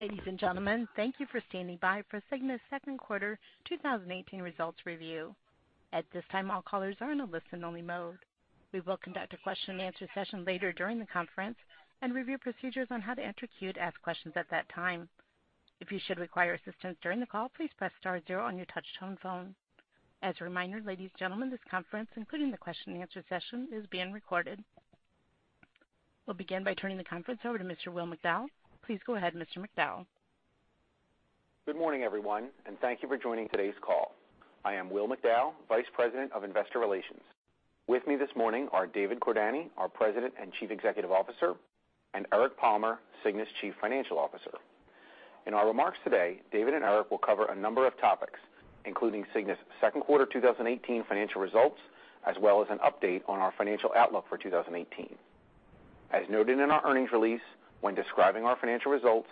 Ladies and gentlemen, thank you for standing by for Cigna's second quarter 2018 results review. At this time, all callers are in a listen only mode. We will conduct a question and answer session later during the conference and review procedures on how to enter queue to ask questions at that time. If you should require assistance during the call, please press star zero on your touch-tone phone. As a reminder, ladies and gentlemen, this conference, including the question and answer session, is being recorded. We will begin by turning the conference over to Mr. Will McDowell. Please go ahead, Mr. McDowell. Good morning, everyone, thank you for joining today's call. I am Will McDowell, Vice President of Investor Relations. With me this morning are David Cordani, our President and Chief Executive Officer, and Eric Palmer, Cigna's Chief Financial Officer. In our remarks today, David and Eric will cover a number of topics, including Cigna's second quarter 2018 financial results, as well as an update on our financial outlook for 2018. As noted in our earnings release, when describing our financial results,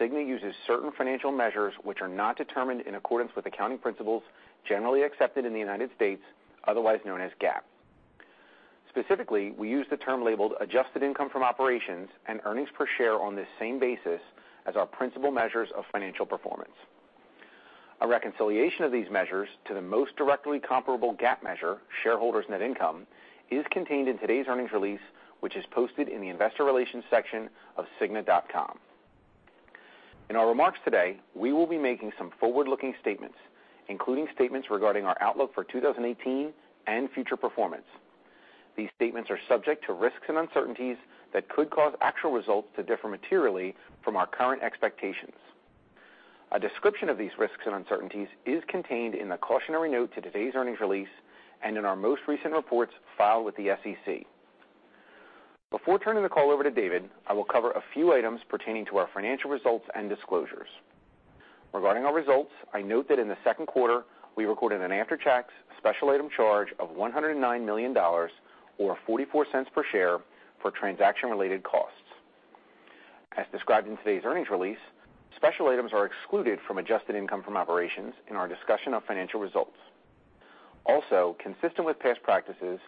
Cigna uses certain financial measures which are not determined in accordance with accounting principles generally accepted in the United States, otherwise known as GAAP. Specifically, we use the term labeled adjusted income from operations and earnings per share on this same basis as our principal measures of financial performance. A reconciliation of these measures to the most directly comparable GAAP measure, shareholders net income, is contained in today's earnings release, which is posted in the investor relations section of cigna.com. In our remarks today, we will be making some forward-looking statements, including statements regarding our outlook for 2018 and future performance. These statements are subject to risks and uncertainties that could cause actual results to differ materially from our current expectations. A description of these risks and uncertainties is contained in the cautionary note to today's earnings release and in our most recent reports filed with the SEC. Before turning the call over to David, I will cover a few items pertaining to our financial results and disclosures. Regarding our results, I note that in the second quarter, we recorded an after-tax special item charge of $109 million, or $0.44 per share for transaction-related costs. As described in today's earnings release, special items are excluded from adjusted income from operations in our discussion of financial results. Also, consistent with past practices,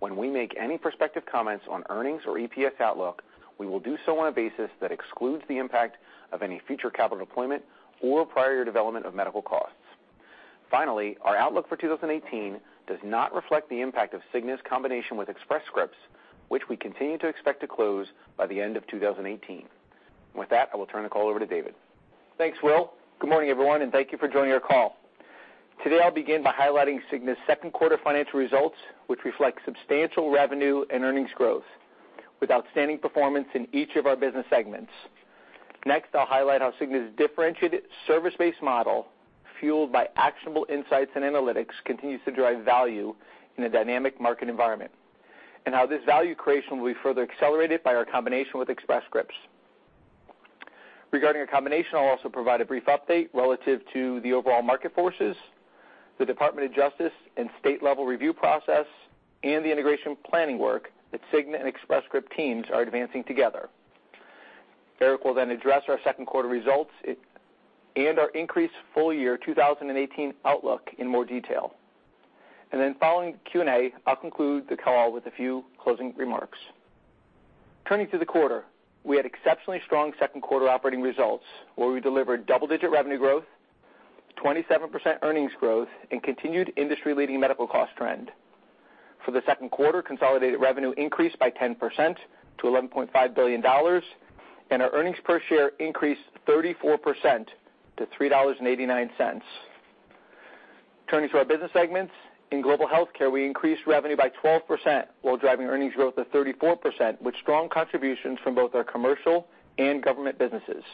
when we make any prospective comments on earnings or EPS outlook, we will do so on a basis that excludes the impact of any future capital deployment or prior year development of medical costs. Finally, our outlook for 2018 does not reflect the impact of Cigna's combination with Express Scripts, which we continue to expect to close by the end of 2018. With that, I will turn the call over to David. Thanks, Will. Good morning, everyone, thank you for joining our call. Today, I'll begin by highlighting Cigna's second quarter financial results, which reflect substantial revenue and earnings growth with outstanding performance in each of our business segments. Next, I'll highlight how Cigna's differentiated service-based model, fueled by actionable insights and analytics, continues to drive value in a dynamic market environment, how this value creation will be further accelerated by our combination with Express Scripts. Regarding our combination, I'll also provide a brief update relative to the overall market forces, the Department of Justice and state-level review process, and the integration planning work that Cigna and Express Scripts teams are advancing together. Eric will then address our second quarter results and our increased full year 2018 outlook in more detail. Then following the Q&A, I'll conclude the call with a few closing remarks. Turning to the quarter, we had exceptionally strong second quarter operating results where we delivered double-digit revenue growth, 27% earnings growth, and continued industry-leading medical cost trend. For the second quarter, consolidated revenue increased by 10% to $11.5 billion, and our earnings per share increased 34% to $3.89. Turning to our business segments, in Global Health Care, we increased revenue by 12% while driving earnings growth of 34%, with strong contributions from both our commercial and government businesses.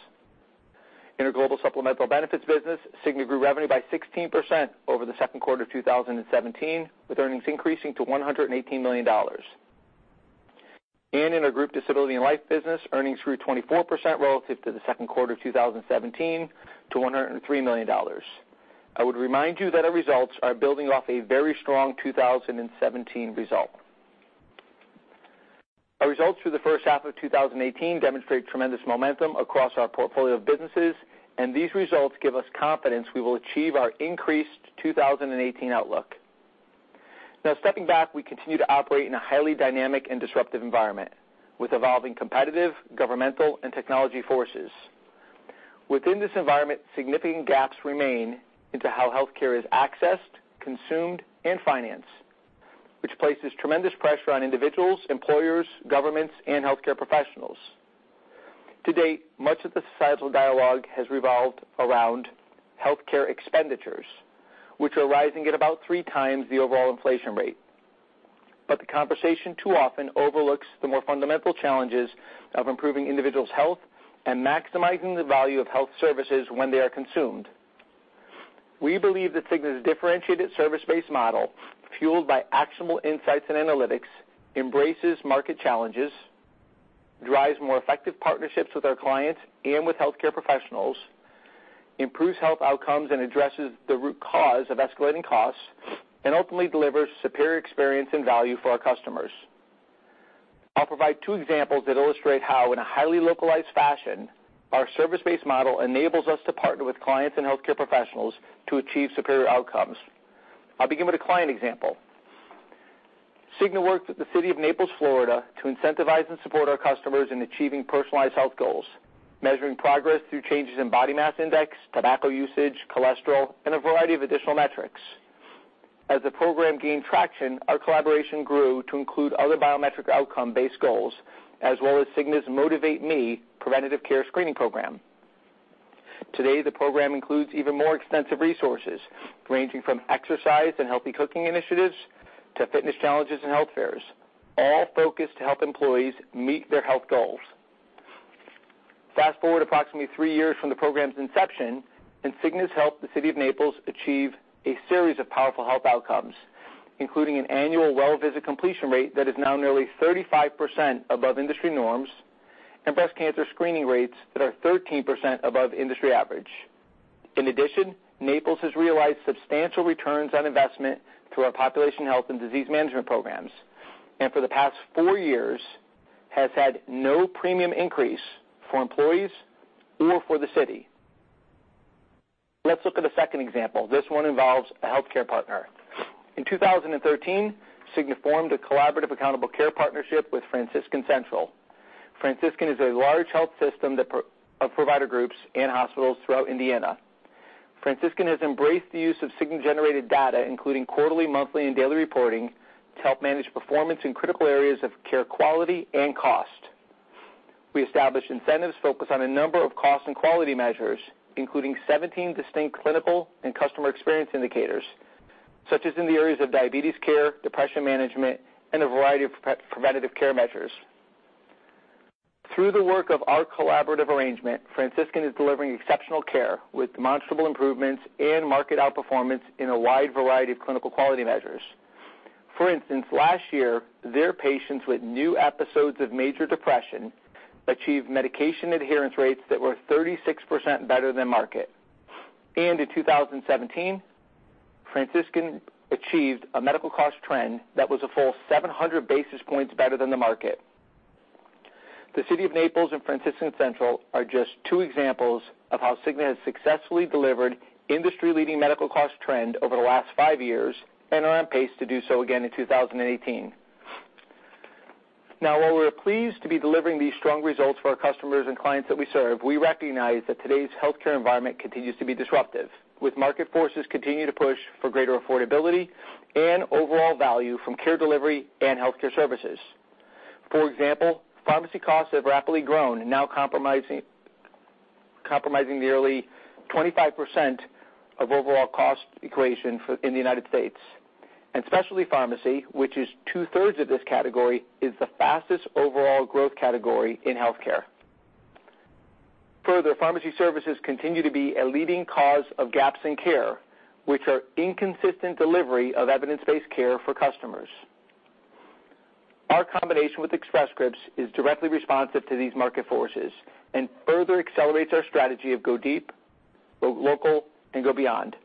In our Global Supplemental Benefits business, Cigna grew revenue by 16% over the second quarter of 2017, with earnings increasing to $118 million. In our Group Disability and Life business, earnings grew 24% relative to the second quarter of 2017 to $103 million. I would remind you that our results are building off a very strong 2017 result. Our results through the first half of 2018 demonstrate tremendous momentum across our portfolio of businesses, and these results give us confidence we will achieve our increased 2018 outlook. Now stepping back, we continue to operate in a highly dynamic and disruptive environment with evolving competitive, governmental, and technology forces. Within this environment, significant gaps remain into how healthcare is accessed, consumed, and financed, which places tremendous pressure on individuals, employers, governments, and healthcare professionals. To date, much of the societal dialogue has revolved around healthcare expenditures, which are rising at about three times the overall inflation rate. The conversation too often overlooks the more fundamental challenges of improving individuals' health and maximizing the value of health services when they are consumed. We believe that Cigna's differentiated service-based model, fueled by actionable insights and analytics, embraces market challenges, drives more effective partnerships with our clients and with healthcare professionals, improves health outcomes, and addresses the root cause of escalating costs, and ultimately delivers superior experience and value for our customers. I'll provide two examples that illustrate how, in a highly localized fashion, our service-based model enables us to partner with clients and healthcare professionals to achieve superior outcomes. I'll begin with a client example. Cigna worked with the City of Naples, Florida, to incentivize and support our customers in achieving personalized health goals, measuring progress through changes in body mass index, tobacco usage, cholesterol, and a variety of additional metrics. As the program gained traction, our collaboration grew to include other biometric outcome-based goals, as well as Cigna's MotivateMe preventative care screening program. Today, the program includes even more extensive resources, ranging from exercise and healthy cooking initiatives to fitness challenges and health fairs, all focused to help employees meet their health goals. Fast-forward approximately three years from the program's inception, and Cigna's helped the City of Naples achieve a series of powerful health outcomes, including an annual well visit completion rate that is now nearly 35% above industry norms, and breast cancer screening rates that are 13% above industry average. In addition, Naples has realized substantial returns on investment through our population health and disease management programs. For the past four years, has had no premium increase for employees or for the city. Let's look at a second example. This one involves a healthcare partner. In 2013, Cigna formed a collaborative accountable care partnership with Franciscan Central. Franciscan is a large health system of provider groups and hospitals throughout Indiana. Franciscan has embraced the use of Cigna-generated data, including quarterly, monthly, and daily reporting, to help manage performance in critical areas of care quality and cost. We established incentives focused on a number of cost and quality measures, including 17 distinct clinical and customer experience indicators, such as in the areas of diabetes care, depression management, and a variety of preventative care measures. Through the work of our collaborative arrangement, Franciscan is delivering exceptional care with demonstrable improvements and market outperformance in a wide variety of clinical quality measures. For instance, last year, their patients with new episodes of major depression achieved medication adherence rates that were 36% better than market. In 2017, Franciscan achieved a medical cost trend that was a full 700 basis points better than the market. The city of Naples and Franciscan Central are just two examples of how Cigna has successfully delivered industry-leading medical cost trend over the last five years and are on pace to do so again in 2018. Now, while we're pleased to be delivering these strong results for our customers and clients that we serve, we recognize that today's healthcare environment continues to be disruptive, with market forces continuing to push for greater affordability and overall value from care delivery and healthcare services. For example, pharmacy costs have rapidly grown and now compromising nearly 25% of overall cost equation in the U.S. Specialty pharmacy, which is 2/3 of this category, is the fastest overall growth category in healthcare. Further, pharmacy services continue to be a leading cause of gaps in care, which are inconsistent delivery of evidence-based care for customers. Our combination with Express Scripts is directly responsive to these market forces and further accelerates our strategy of go deep, go local, and go beyond.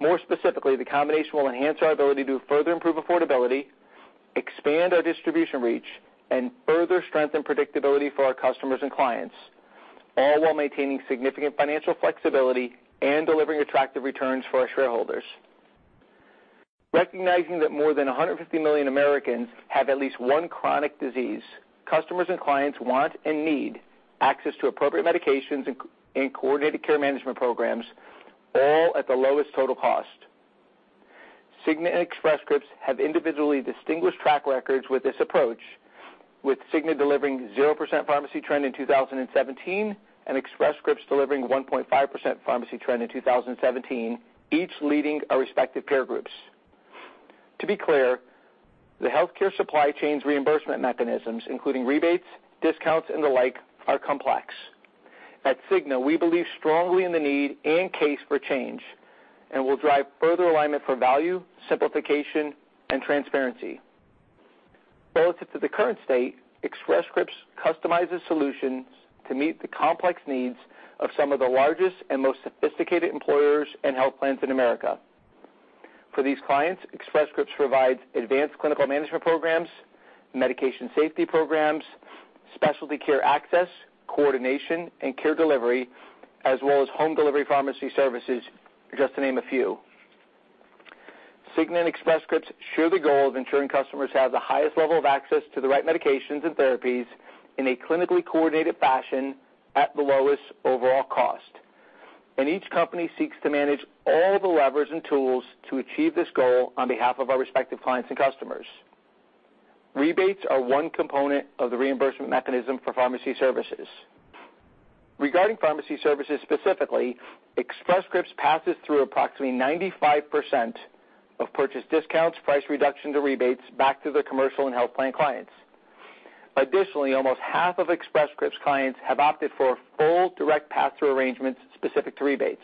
More specifically, the combination will enhance our ability to further improve affordability, expand our distribution reach, and further strengthen predictability for our customers and clients, all while maintaining significant financial flexibility and delivering attractive returns for our shareholders. Recognizing that more than 150 million Americans have at least one chronic disease, customers and clients want and need access to appropriate medications and coordinated care management programs, all at the lowest total cost. Cigna and Express Scripts have individually distinguished track records with this approach, with Cigna delivering 0% pharmacy trend in 2017 and Express Scripts delivering 1.5% pharmacy trend in 2017, each leading our respective peer groups. To be clear, the healthcare supply chain's reimbursement mechanisms, including rebates, discounts, and the like, are complex. At Cigna, we believe strongly in the need and case for change, and will drive further alignment for value, simplification, and transparency. Relative to the current state, Express Scripts customizes solutions to meet the complex needs of some of the largest and most sophisticated employers and health plans in America. For these clients, Express Scripts provides advanced clinical management programs, medication safety programs, specialty care access, coordination, and care delivery, as well as home delivery pharmacy services, just to name a few. Cigna and Express Scripts share the goal of ensuring customers have the highest level of access to the right medications and therapies in a clinically coordinated fashion at the lowest overall cost. Each company seeks to manage all the levers and tools to achieve this goal on behalf of our respective clients and customers. Rebates are one component of the reimbursement mechanism for pharmacy services. Regarding pharmacy services specifically, Express Scripts passes through approximately 95% of purchase discounts, price reduction to rebates back to the commercial and health plan clients. Additionally, almost half of Express Scripts clients have opted for full direct pass-through arrangements specific to rebates.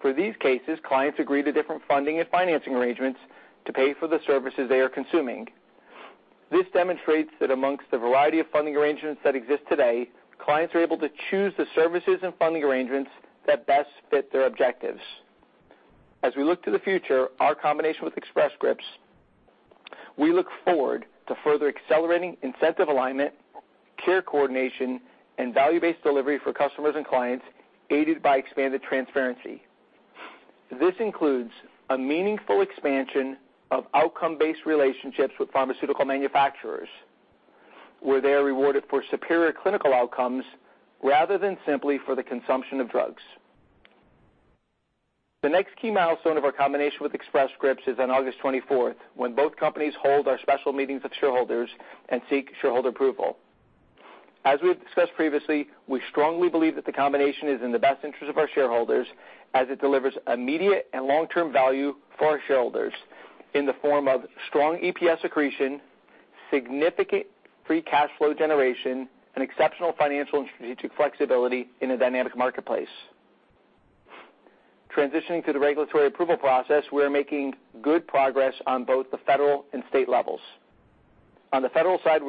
For these cases, clients agree to different funding and financing arrangements to pay for the services they are consuming. This demonstrates that amongst the variety of funding arrangements that exist today, clients are able to choose the services and funding arrangements that best fit their objectives. As we look to the future, our combination with Express Scripts, we look forward to further accelerating incentive alignment Care coordination, and value-based delivery for customers and clients, aided by expanded transparency. This includes a meaningful expansion of outcome-based relationships with pharmaceutical manufacturers, where they are rewarded for superior clinical outcomes rather than simply for the consumption of drugs. The next key milestone of our combination with Express Scripts is on August 24th, when both companies hold our special meetings with shareholders and seek shareholder approval. As we have discussed previously, we strongly believe that the combination is in the best interest of our shareholders as it delivers immediate and long-term value for our shareholders in the form of strong EPS accretion, significant free cash flow generation, and exceptional financial and strategic flexibility in a dynamic marketplace. Transitioning to the regulatory approval process, we're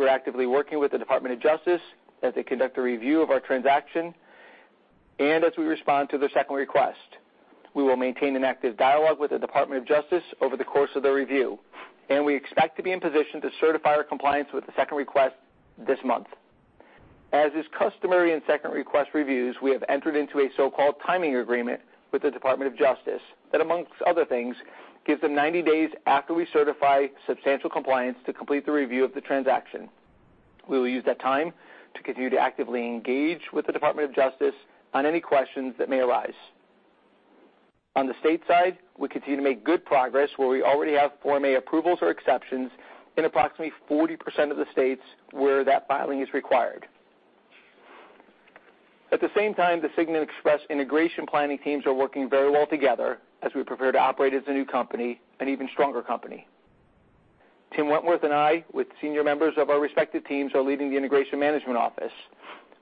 actively working with the Department of Justice as they conduct a review of our transaction and as we respond to their second request. We will maintain an active dialogue with the Department of Justice over the course of their review, and we expect to be in position to certify our compliance with the second request this month. As is customary in second request reviews, we have entered into a so-called timing agreement with the Department of Justice that, amongst other things, gives them 90 days after we certify substantial compliance to complete the review of the transaction. We will use that time to continue to actively engage with the Department of Justice on any questions that may arise. On the state side, we continue to make good progress where we already have Form A approvals or exceptions in approximately 40% of the states where that filing is required. At the same time, the Cigna Express integration planning teams are working very well together as we prepare to operate as a new company, an even stronger company. Tim Wentworth and I, with senior members of our respective teams, are leading the integration management office.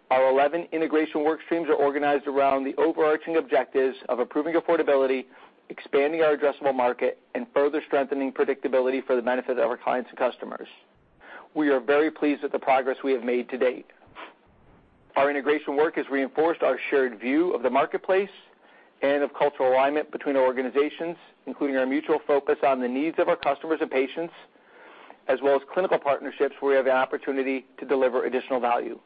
Our 11 integration work streams are organized around the overarching objectives of improving affordability, expanding our addressable market, and further strengthening predictability for the benefit of our clients and customers. We are very pleased with the progress we have made to date. Our integration work has reinforced our shared view of the marketplace and of cultural alignment between our organizations, including our mutual focus on the needs of our customers and patients, as well as clinical partnerships where we have the opportunity to deliver additional value.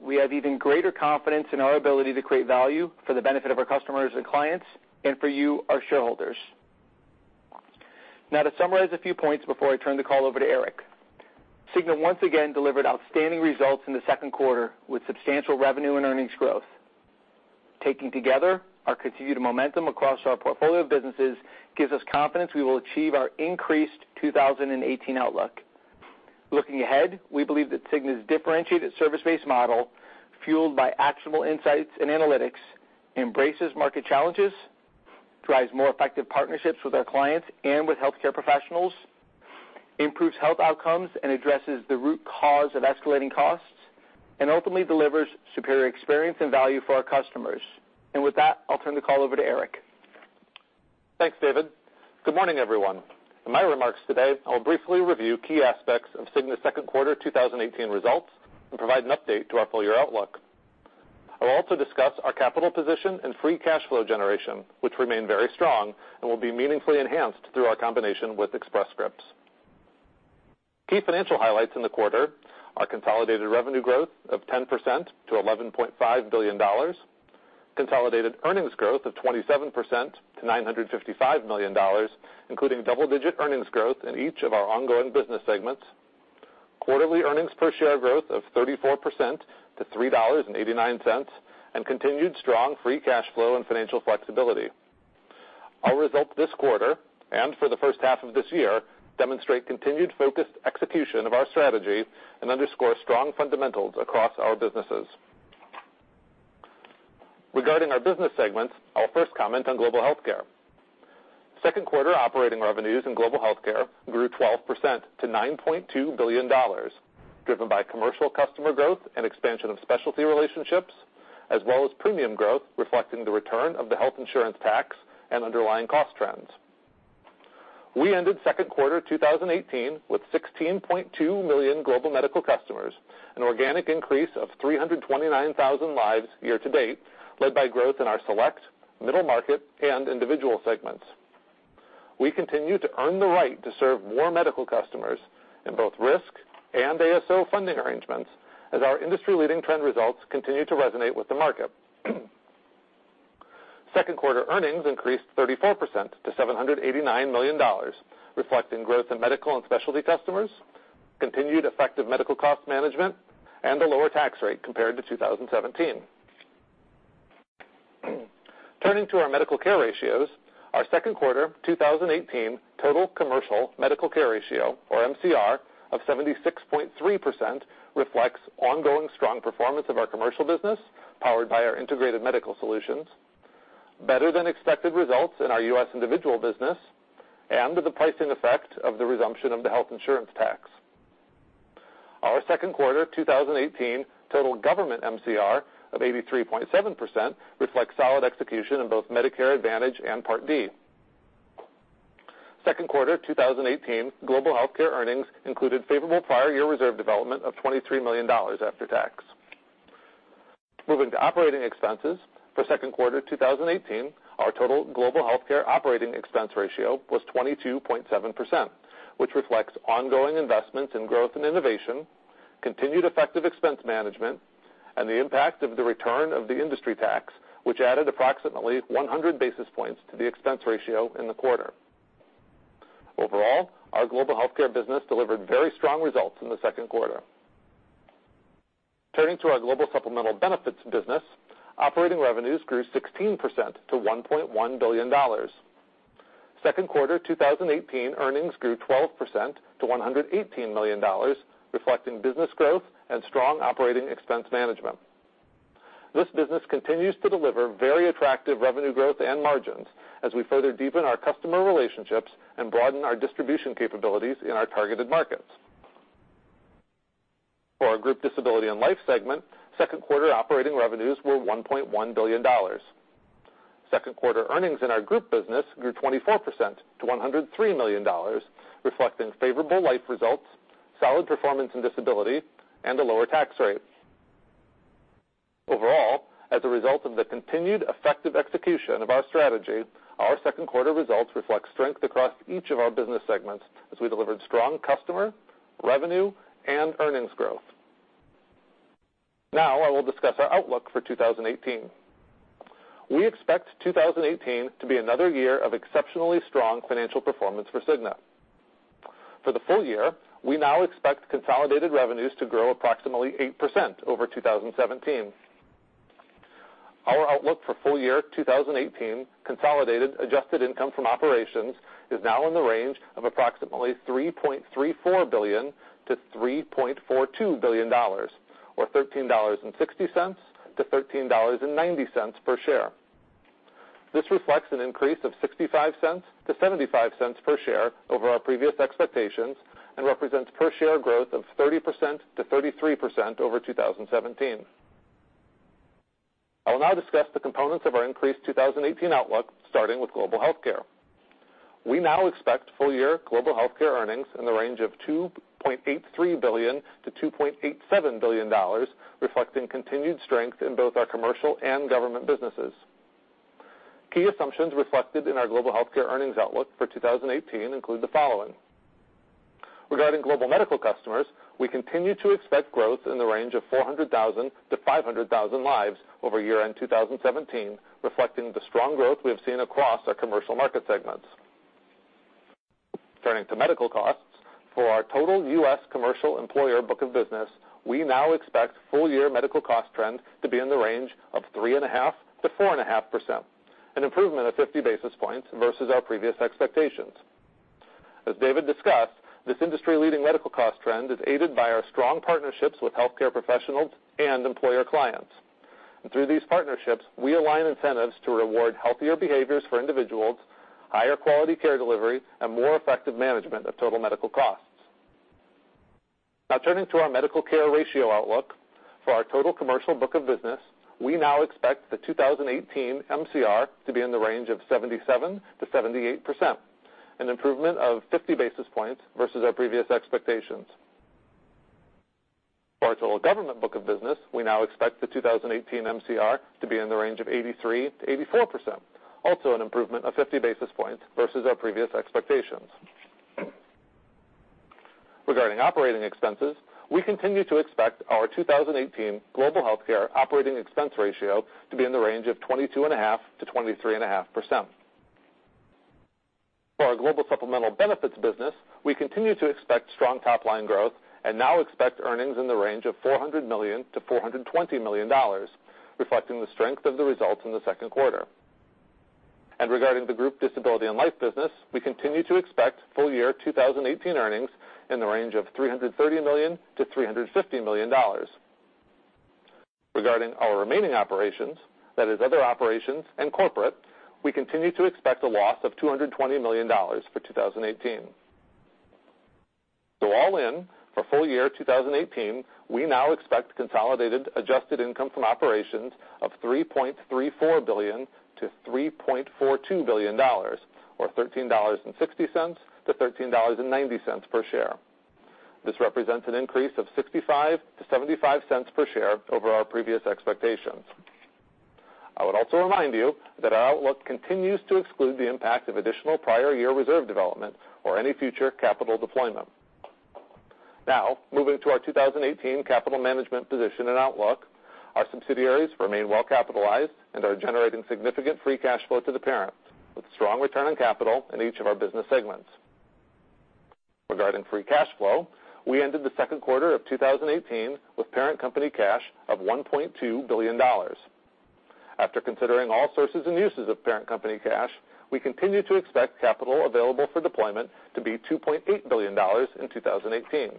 We have even greater confidence in our ability to create value for the benefit of our customers and clients, and for you, our shareholders. To summarize a few points before I turn the call over to Eric. Cigna once again delivered outstanding results in the second quarter with substantial revenue and earnings growth. Taken together, our continued momentum across our portfolio of businesses gives us confidence we will achieve our increased 2018 outlook. Looking ahead, we believe that Cigna's differentiated service-based model, fueled by actionable insights and analytics, embraces market challenges, drives more effective partnerships with our clients and with healthcare professionals, improves health outcomes and addresses the root cause of escalating costs, and ultimately delivers superior experience and value for our customers. With that, I'll turn the call over to Eric. Thanks, David. Good morning, everyone. In my remarks today, I will briefly review key aspects of Cigna's second quarter 2018 results and provide an update to our full-year outlook. I will also discuss our capital position and free cash flow generation, which remain very strong and will be meaningfully enhanced through our combination with Express Scripts. Key financial highlights in the quarter are consolidated revenue growth of 10% to $11.5 billion, consolidated earnings growth of 27% to $955 million, including double-digit earnings growth in each of our ongoing business segments, quarterly earnings per share growth of 34% to $3.89, and continued strong free cash flow and financial flexibility. Our results this quarter, and for the first half of this year, demonstrate continued focused execution of our strategy and underscore strong fundamentals across our businesses. Regarding our business segments, I'll first comment on Global Health Care. Second quarter operating revenues in Global Health Care grew 12% to $9.2 billion, driven by commercial customer growth and expansion of specialty relationships, as well as premium growth reflecting the return of the health insurance tax and underlying cost trends. We ended second quarter 2018 with 16.2 million global medical customers, an organic increase of 329,000 lives year to date, led by growth in our select, middle market, and individual segments. We continue to earn the right to serve more medical customers in both risk and ASO funding arrangements as our industry-leading trend results continue to resonate with the market. Second quarter earnings increased 34% to $789 million, reflecting growth in medical and specialty customers, continued effective medical cost management, and a lower tax rate compared to 2017. Turning to our medical care ratios, our second quarter 2018 total commercial medical care ratio, or MCR, of 76.3% reflects ongoing strong performance of our commercial business, powered by our integrated medical solutions, better than expected results in our U.S. individual business, and the pricing effect of the resumption of the health insurance tax. Our second quarter 2018 total government MCR of 83.7% reflects solid execution in both Medicare Advantage and Part D. Second quarter 2018 Global Health Care earnings included favorable prior year reserve development of $23 million after tax. Moving to operating expenses for second quarter 2018, our total Global Health Care operating expense ratio was 22.7%, which reflects ongoing investments in growth and innovation, continued effective expense management, and the impact of the return of the industry tax, which added approximately 100 basis points to the expense ratio in the quarter. Overall, our Global Health Care business delivered very strong results in the second quarter. Turning to our Global Supplemental Benefits business, operating revenues grew 16% to $1.1 billion. Second quarter 2018 earnings grew 12% to $118 million, reflecting business growth and strong operating expense management. This business continues to deliver very attractive revenue growth and margins as we further deepen our customer relationships and broaden our distribution capabilities in our targeted markets. For our Group Disability and Life segment, second quarter operating revenues were $1.1 billion. Second quarter earnings in our Group business grew 24% to $103 million, reflecting favorable life results, solid performance in disability, and a lower tax rate. Overall, as a result of the continued effective execution of our strategy, our second quarter results reflect strength across each of our business segments as we delivered strong customer, revenue, and earnings growth. Now, I will discuss our outlook for 2018. We expect 2018 to be another year of exceptionally strong financial performance for Cigna. For the full year, we now expect consolidated revenues to grow approximately 8% over 2017. Our outlook for full year 2018 consolidated adjusted income from operations is now in the range of approximately $3.34 billion to $3.42 billion, or $13.60 to $13.90 per share. This reflects an increase of $0.65 to $0.75 per share over our previous expectations and represents per share growth of 30%-33% over 2017. I will now discuss the components of our increased 2018 outlook, starting with Global Healthcare. We now expect full year Global Healthcare earnings in the range of $2.83 billion to $2.87 billion, reflecting continued strength in both our commercial and government businesses. Key assumptions reflected in our Global Healthcare earnings outlook for 2018 include the following. Regarding global medical customers, we continue to expect growth in the range of 400,000 to 500,000 lives over year-end 2017, reflecting the strong growth we have seen across our commercial market segments. Turning to medical costs, for our total U.S. commercial employer book of business, we now expect full year medical cost trend to be in the range of 3.5%-4.5%, an improvement of 50 basis points versus our previous expectations. As David discussed, this industry-leading medical cost trend is aided by our strong partnerships with healthcare professionals and employer clients. Through these partnerships, we align incentives to reward healthier behaviors for individuals, higher quality care delivery, and more effective management of total medical costs. Now turning to our medical care ratio outlook. For our total commercial book of business, we now expect the 2018 MCR to be in the range of 77%-78%, an improvement of 50 basis points versus our previous expectations. For our total government book of business, we now expect the 2018 MCR to be in the range of 83%-84%, also an improvement of 50 basis points versus our previous expectations. Regarding operating expenses, we continue to expect our 2018 Global Health Care operating expense ratio to be in the range of 22.5%-23.5%. For our Global Supplemental Benefits business, we continue to expect strong top-line growth and now expect earnings in the range of $400 million-$420 million, reflecting the strength of the results in the second quarter. Regarding the Group Disability and Life business, we continue to expect full year 2018 earnings in the range of $330 million-$350 million. Regarding our remaining operations, that is Other Operations and Corporate, we continue to expect a loss of $220 million for 2018. All in, for full year 2018, we now expect consolidated adjusted income from operations of $3.34 billion-$3.42 billion, or $13.60-$13.90 per share. This represents an increase of $0.65-$0.75 per share over our previous expectations. I would also remind you that our outlook continues to exclude the impact of additional prior year reserve development or any future capital deployment. Moving to our 2018 capital management position and outlook. Our subsidiaries remain well capitalized and are generating significant free cash flow to the parent, with strong return on capital in each of our business segments. Regarding free cash flow, we ended the second quarter of 2018 with parent company cash of $1.2 billion. After considering all sources and uses of parent company cash, we continue to expect capital available for deployment to be $2.8 billion in 2018.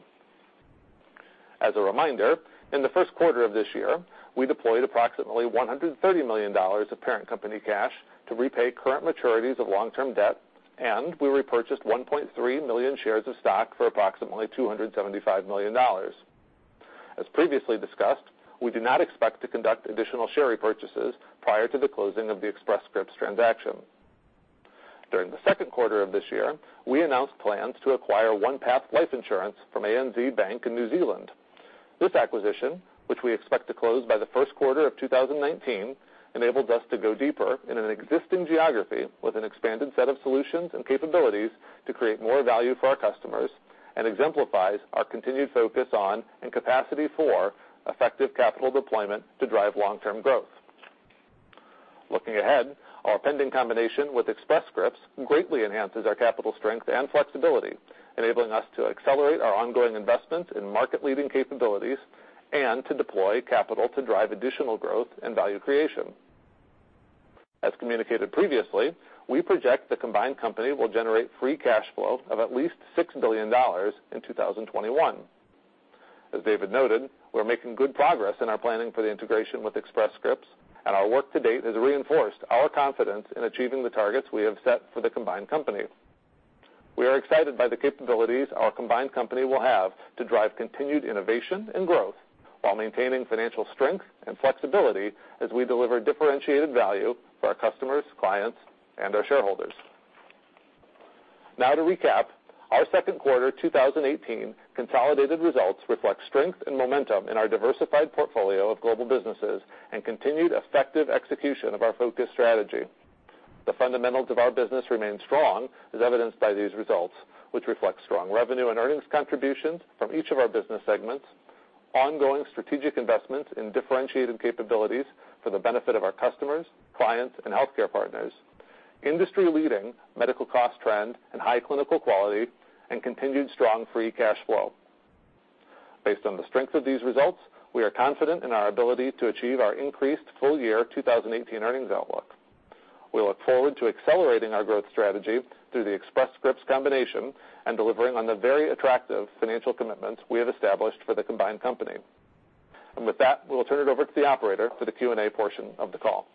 As a reminder, in the first quarter of this year, we deployed approximately $130 million of parent company cash to repay current maturities of long-term debt, and we repurchased 1.3 million shares of stock for approximately $275 million. As previously discussed, we do not expect to conduct additional share repurchases prior to the closing of the Express Scripts transaction. During the second quarter of this year, we announced plans to acquire OnePath Life NZ Ltd from ANZ Bank in New Zealand. This acquisition, which we expect to close by the first quarter of 2019, enables us to go deeper in an existing geography with an expanded set of solutions and capabilities to create more value for our customers, and exemplifies our continued focus on, and capacity for, effective capital deployment to drive long-term growth. Looking ahead, our pending combination with Express Scripts greatly enhances our capital strength and flexibility, enabling us to accelerate our ongoing investment in market-leading capabilities and to deploy capital to drive additional growth and value creation. As communicated previously, we project the combined company will generate free cash flow of at least $6 billion in 2021. As David noted, we're making good progress in our planning for the integration with Express Scripts, and our work to date has reinforced our confidence in achieving the targets we have set for the combined company. We are excited by the capabilities our combined company will have to drive continued innovation and growth while maintaining financial strength and flexibility as we deliver differentiated value for our customers, clients, and our shareholders. To recap, our second quarter 2018 consolidated results reflect strength and momentum in our diversified portfolio of global businesses and continued effective execution of our focus strategy. The fundamentals of our business remain strong, as evidenced by these results, which reflect strong revenue and earnings contributions from each of our business segments, ongoing strategic investments in differentiated capabilities for the benefit of our customers, clients, and healthcare partners, industry-leading medical cost trend and high clinical quality, and continued strong free cash flow. Based on the strength of these results, we are confident in our ability to achieve our increased full-year 2018 earnings outlook. We look forward to accelerating our growth strategy through the Express Scripts combination and delivering on the very attractive financial commitments we have established for the combined company. With that, we'll turn it over to the operator for the Q&A portion of the call.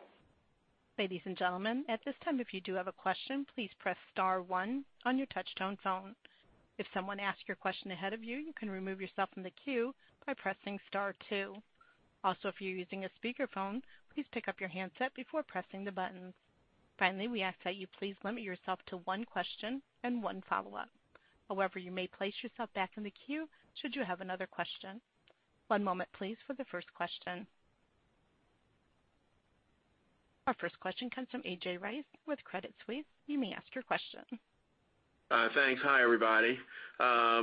Ladies and gentlemen, at this time, if you do have a question, please press *1 on your touch-tone phone. If someone asks your question ahead of you can remove yourself from the queue by pressing *2. Also, if you're using a speakerphone, please pick up your handset before pressing the buttons. Finally, we ask that you please limit yourself to one question and one follow-up. However, you may place yourself back in the queue should you have another question. One moment please for the first question. Our first question comes from A.J. Rice with Credit Suisse. You may ask your question. Thanks. Hi, everybody. I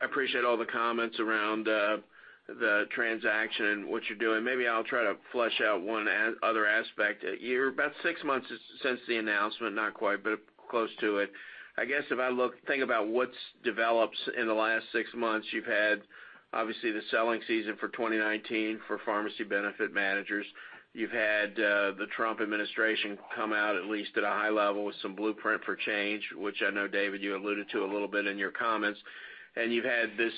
appreciate all the comments around the transaction and what you're doing. Maybe I'll try to flesh out one other aspect. You're about six months since the announcement, not quite, but close to it. I guess if I think about what's developed in the last six months, you've had, obviously, the selling season for 2019 for pharmacy benefit managers. You've had the Trump administration come out at least at a high level with some blueprint for change, which I know, David, you alluded to a little bit in your comments. You've had this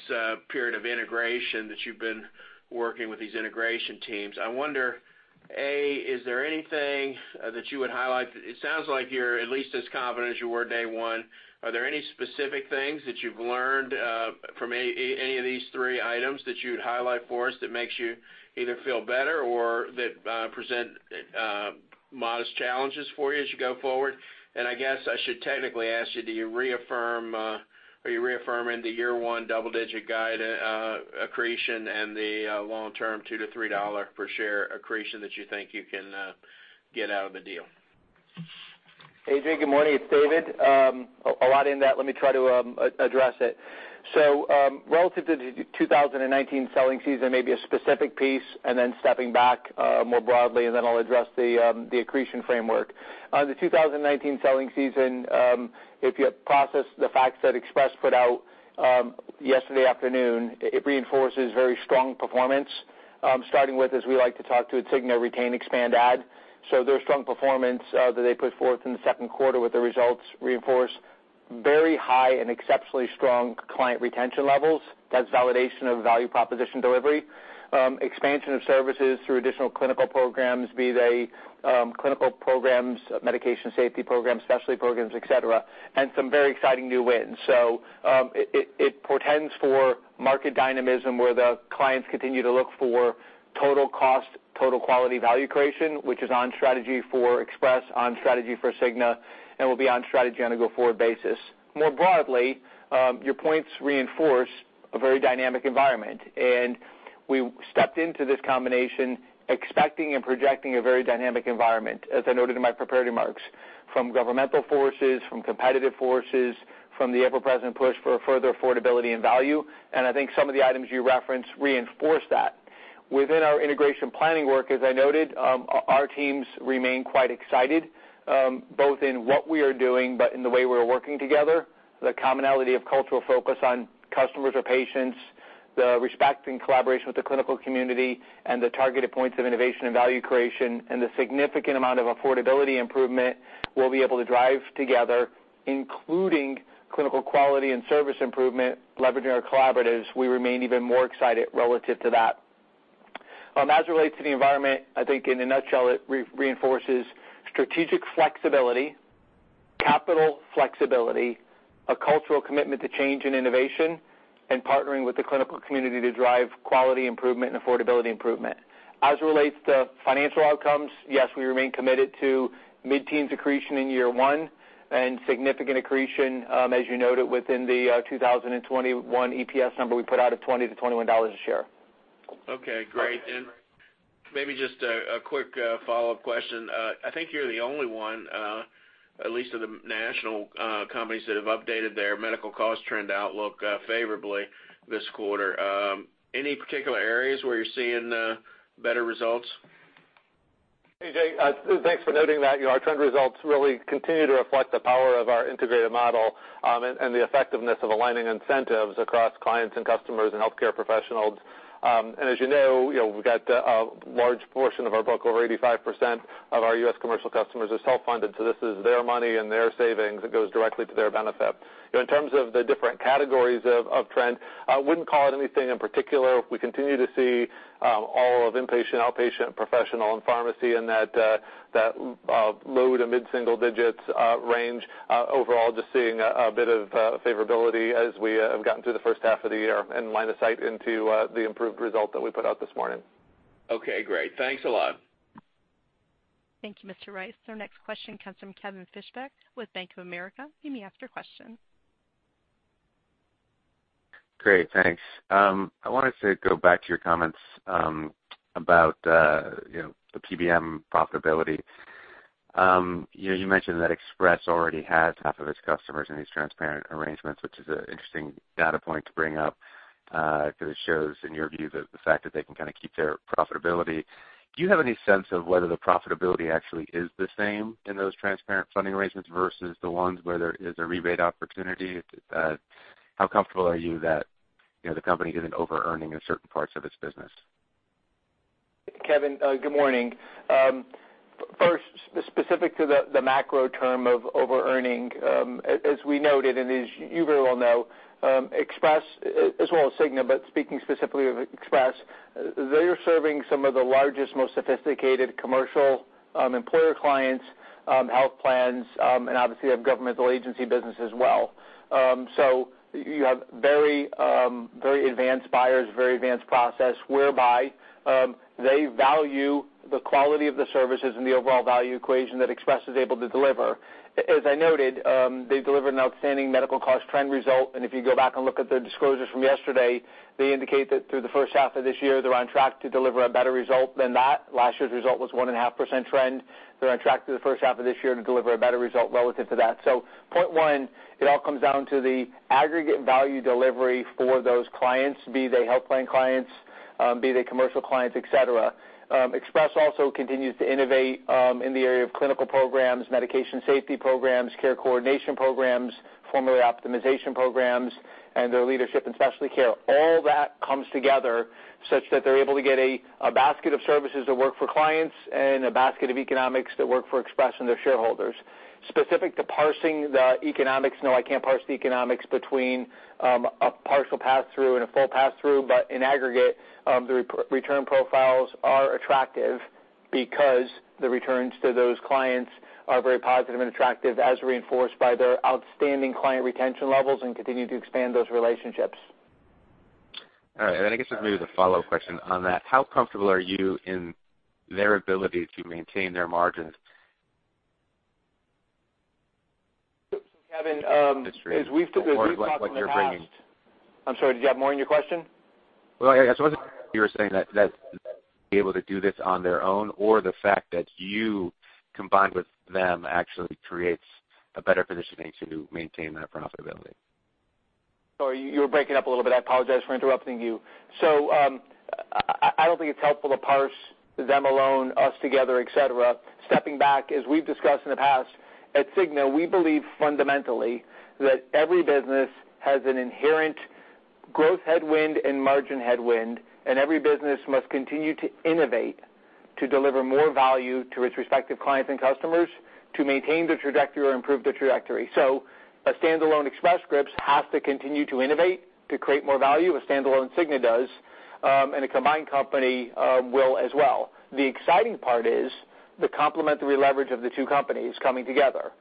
period of integration that you've been working with these integration teams. I wonder, A, is there anything that you would highlight? It sounds like you're at least as confident as you were day one. Are there any specific things that you've learned from any of these three items that you'd highlight for us that makes you either feel better or that present modest challenges for you as you go forward? I guess I should technically ask you, are you reaffirming the year one double-digit guide accretion and the long-term $2-$3 per share accretion that you think you can get out of the deal? A.J., good morning. It's David. A lot in that. Let me try to address it. Relative to the 2019 selling season, maybe a specific piece, then stepping back more broadly, then I'll address the accretion framework. On the 2019 selling season, if you process the facts that Express put out yesterday afternoon, it reinforces very strong performance, starting with, as we like to talk to at Cigna, retain, expand, add. Their strong performance that they put forth in the second quarter with the results reinforce very high and exceptionally strong client retention levels. That's validation of value proposition delivery, expansion of services through additional clinical programs, be they clinical programs, medication safety programs, specialty programs, et cetera, and some very exciting new wins. It portends for market dynamism where the clients continue to look for total cost, total quality value creation, which is on strategy for Express, on strategy for Cigna, will be on strategy on a go-forward basis. More broadly, your points reinforce a very dynamic environment, we stepped into this combination expecting and projecting a very dynamic environment, as I noted in my prepared remarks, from governmental forces, from competitive forces, from the ever-present push for further affordability and value. I think some of the items you referenced reinforce that. Within our integration planning work, as I noted, our teams remain quite excited, both in what we are doing, in the way we're working together. The commonality of cultural focus on customers or patients, the respect and collaboration with the clinical community, the targeted points of innovation and value creation, the significant amount of affordability improvement we'll be able to drive together, including clinical quality and service improvement, leveraging our collaboratives. We remain even more excited relative to that. As it relates to the environment, I think in a nutshell, it reinforces strategic flexibility, capital flexibility, a cultural commitment to change and innovation Partnering with the clinical community to drive quality improvement and affordability improvement. As it relates to financial outcomes, yes, we remain committed to mid-teens accretion in year one and significant accretion, as you noted, within the 2021 EPS number we put out of $20 to $21 a share. Okay, great. Maybe just a quick follow-up question. I think you're the only one, at least of the national companies, that have updated their medical cost trend outlook favorably this quarter. Any particular areas where you're seeing better results? Hey, Jay. Thanks for noting that. Our trend results really continue to reflect the power of our integrated model and the effectiveness of aligning incentives across clients and customers and healthcare professionals. As you know, we've got a large portion of our book, over 85% of our U.S. commercial customers are self-funded, so this is their money and their savings. It goes directly to their benefit. In terms of the different categories of trend, I wouldn't call out anything in particular. We continue to see all of inpatient, outpatient, professional, and pharmacy in that low- to mid-single digits range. Overall, just seeing a bit of favorability as we have gotten through the first half of the year, line of sight into the improved result that we put out this morning. Okay, great. Thanks a lot. Thank you, Mr. Rice. Our next question comes from Kevin Fischbeck with Bank of America. You may ask your question. Great, thanks. I wanted to go back to your comments about the PBM profitability. You mentioned that Express already has half of its customers in these transparent arrangements, which is an interesting data point to bring up, because it shows, in your view, the fact that they can kind of keep their profitability. Do you have any sense of whether the profitability actually is the same in those transparent funding arrangements versus the ones where there is a rebate opportunity? How comfortable are you that the company isn't over-earning in certain parts of its business? Kevin, good morning. First, specific to the macro term of over-earning, as we noted, and as you very well know, Express, as well as Cigna, but speaking specifically of Express, they are serving some of the largest, most sophisticated commercial employer clients, health plans, and obviously have governmental agency business as well. You have very advanced buyers, very advanced process, whereby they value the quality of the services and the overall value equation that Express is able to deliver. As I noted, they delivered an outstanding medical cost trend result, and if you go back and look at the disclosures from yesterday, they indicate that through the first half of this year, they're on track to deliver a better result than that. Last year's result was 1.5% trend. They're on track through the first half of this year to deliver a better result relative to that. Point one, it all comes down to the aggregate value delivery for those clients, be they health plan clients, be they commercial clients, et cetera. Express also continues to innovate in the area of clinical programs, medication safety programs, care coordination programs, formulary optimization programs, and their leadership in specialty care. All that comes together such that they're able to get a basket of services that work for clients and a basket of economics that work for Express and their shareholders. Specific to parsing the economics, no, I can't parse the economics between a partial pass-through and a full pass-through, but in aggregate, the return profiles are attractive because the returns to those clients are very positive and attractive, as reinforced by their outstanding client retention levels, and continue to expand those relationships. All right. I guess just maybe the follow-up question on that, how comfortable are you in their ability to maintain their margins? Kevin, as we've talked in the past. What you're bringing. I'm sorry, did you have more in your question? Well, I guess what you were saying, that be able to do this on their own, or the fact that you combined with them actually creates a better positioning to maintain that profitability? Sorry, you were breaking up a little bit. I apologize for interrupting you. I don't think it's helpful to parse them alone, us together, et cetera. Stepping back, as we've discussed in the past, at Cigna, we believe fundamentally that every business has an inherent growth headwind and margin headwind, and every business must continue to innovate to deliver more value to its respective clients and customers to maintain the trajectory or improve the trajectory. A standalone Express Scripts has to continue to innovate to create more value. A standalone Cigna does. A combined company will as well. The exciting part is the complementary leverage of the two companies coming together.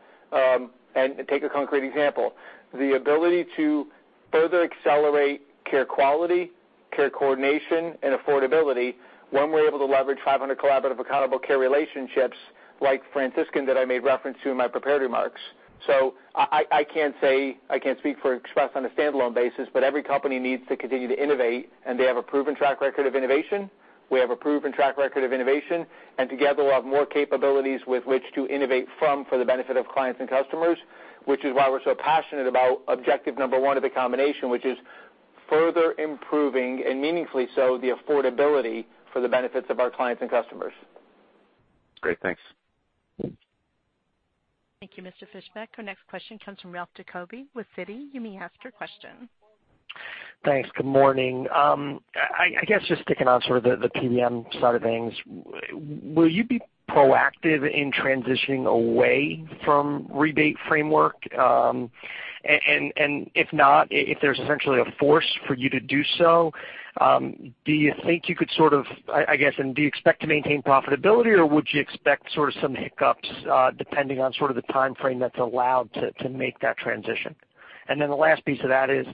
Take a concrete example. The ability to further accelerate care quality, care coordination, and affordability when we're able to leverage 500 collaborative accountable care relationships like Franciscan that I made reference to in my prepared remarks. I can't speak for Express on a standalone basis, but every company needs to continue to innovate, and they have a proven track record of innovation. We have a proven track record of innovation, and together we'll have more capabilities with which to innovate from for the benefit of clients and customers, which is why we're so passionate about objective number 1 of the combination, which is further improving, and meaningfully so, the affordability for the benefits of our clients and customers. Great. Thanks. Thank you, Mr. Fischbeck. Our next question comes from Ralph Giacobbe with Citi. You may ask your question. Thanks. Good morning. I guess just sticking on sort of the PBM side of things, will you be proactive in transitioning away from rebate framework? If not, if there's essentially a force for you to do so, do you think you could sort of, do you expect to maintain profitability, or would you expect sort of some hiccups, depending on sort of the timeframe that's allowed to make that transition? The last piece of that is,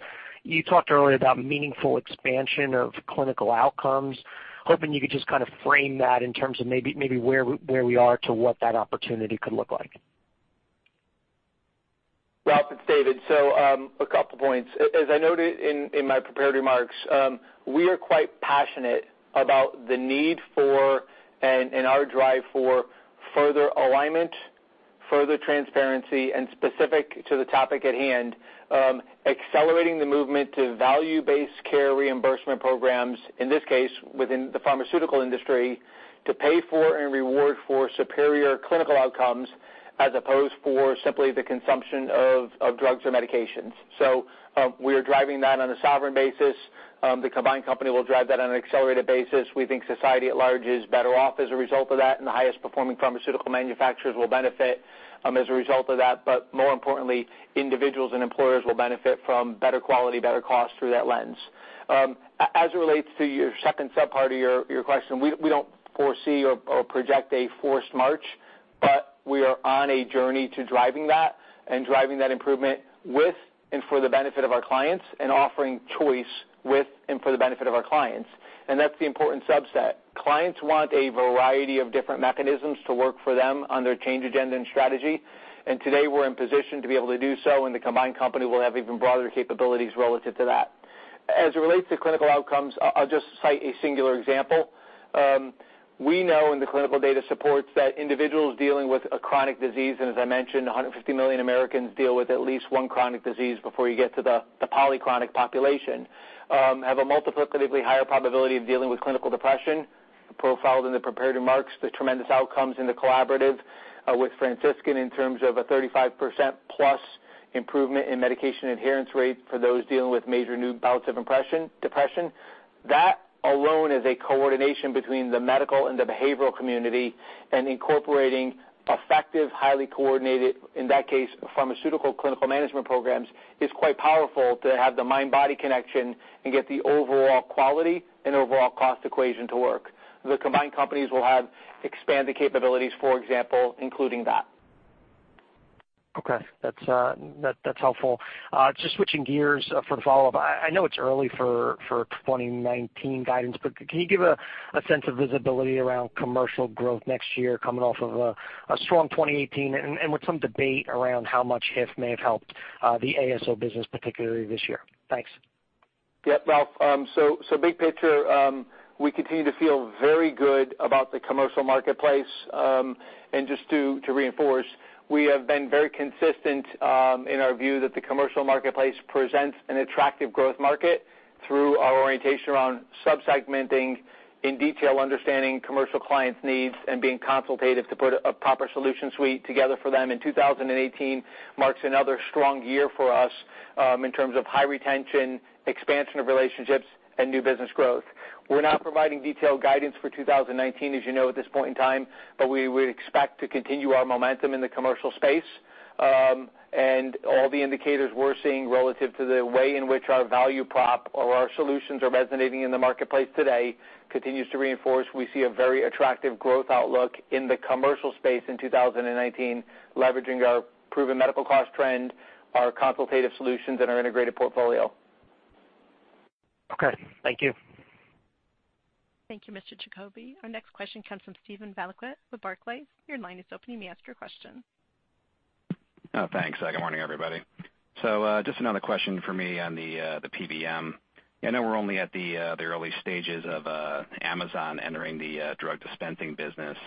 you talked earlier about meaningful expansion of clinical outcomes. Hoping you could just kind of frame that in terms of maybe where we are to what that opportunity could look like. Ralph, it's David. A couple points. As I noted in my prepared remarks, we are quite passionate about the need for, and our drive for, further alignment, further transparency, and specific to the topic at hand, accelerating the movement to value-based care reimbursement programs, in this case, within the pharmaceutical industry, to pay for and reward for superior clinical outcomes as opposed for simply the consumption of drugs or medications. We are driving that on a sovereign basis. The combined company will drive that on an accelerated basis. We think society at large is better off as a result of that, and the highest performing pharmaceutical manufacturers will benefit as a result of that. More importantly, individuals and employers will benefit from better quality, better cost through that lens. As it relates to your second sub-part of your question, we don't foresee or project a forced march, we are on a journey to driving that, and driving that improvement with and for the benefit of our clients, and offering choice with and for the benefit of our clients. That's the important subset. Clients want a variety of different mechanisms to work for them on their change agenda and strategy, and today we're in position to be able to do so, and the combined company will have even broader capabilities relative to that. As it relates to clinical outcomes, I'll just cite a singular example. We know, and the clinical data supports, that individuals dealing with a chronic disease, and as I mentioned, 150 million Americans deal with at least one chronic disease before you get to the polychronic population, have a multiplicatively higher probability of dealing with clinical depression. I profiled in the prepared remarks the tremendous outcomes in the collaborative, with Franciscan in terms of a 35% plus improvement in medication adherence rate for those dealing with major new bouts of depression. That alone is a coordination between the medical and the behavioral community, and incorporating effective, highly coordinated, in that case, pharmaceutical clinical management programs, is quite powerful to have the mind-body connection and get the overall quality and overall cost equation to work. The combined companies will have expanded capabilities, for example, including that. Okay. That's helpful. Just switching gears for the follow-up. I know it's early for 2019 guidance, but can you give a sense of visibility around commercial growth next year coming off of a strong 2018, and with some debate around how much HIF may have helped, the ASO business, particularly this year? Thanks. Yeah. Ralph, Big picture, we continue to feel very good about the commercial marketplace. Just to reinforce, we have been very consistent in our view that the commercial marketplace presents an attractive growth market through our orientation around sub-segmenting, in detail understanding commercial clients' needs, and being consultative to put a proper solution suite together for them, 2018 marks another strong year for us, in terms of high retention, expansion of relationships, and new business growth. We're not providing detailed guidance for 2019, as you know, at this point in time, we would expect to continue our momentum in the commercial space. All the indicators we're seeing relative to the way in which our value prop or our solutions are resonating in the marketplace today continues to reinforce. We see a very attractive growth outlook in the commercial space in 2019, leveraging our proven medical cost trend, our consultative solutions, and our integrated portfolio. Okay. Thank you. Thank you, Mr. Giacobbe. Our next question comes from Steven Valiquette with Barclays. Your line is open. You may ask your question. Thanks. Good morning, everybody. Just another question for me on the PBM. I know we're only at the early stages of Amazon entering the drug dispensing business,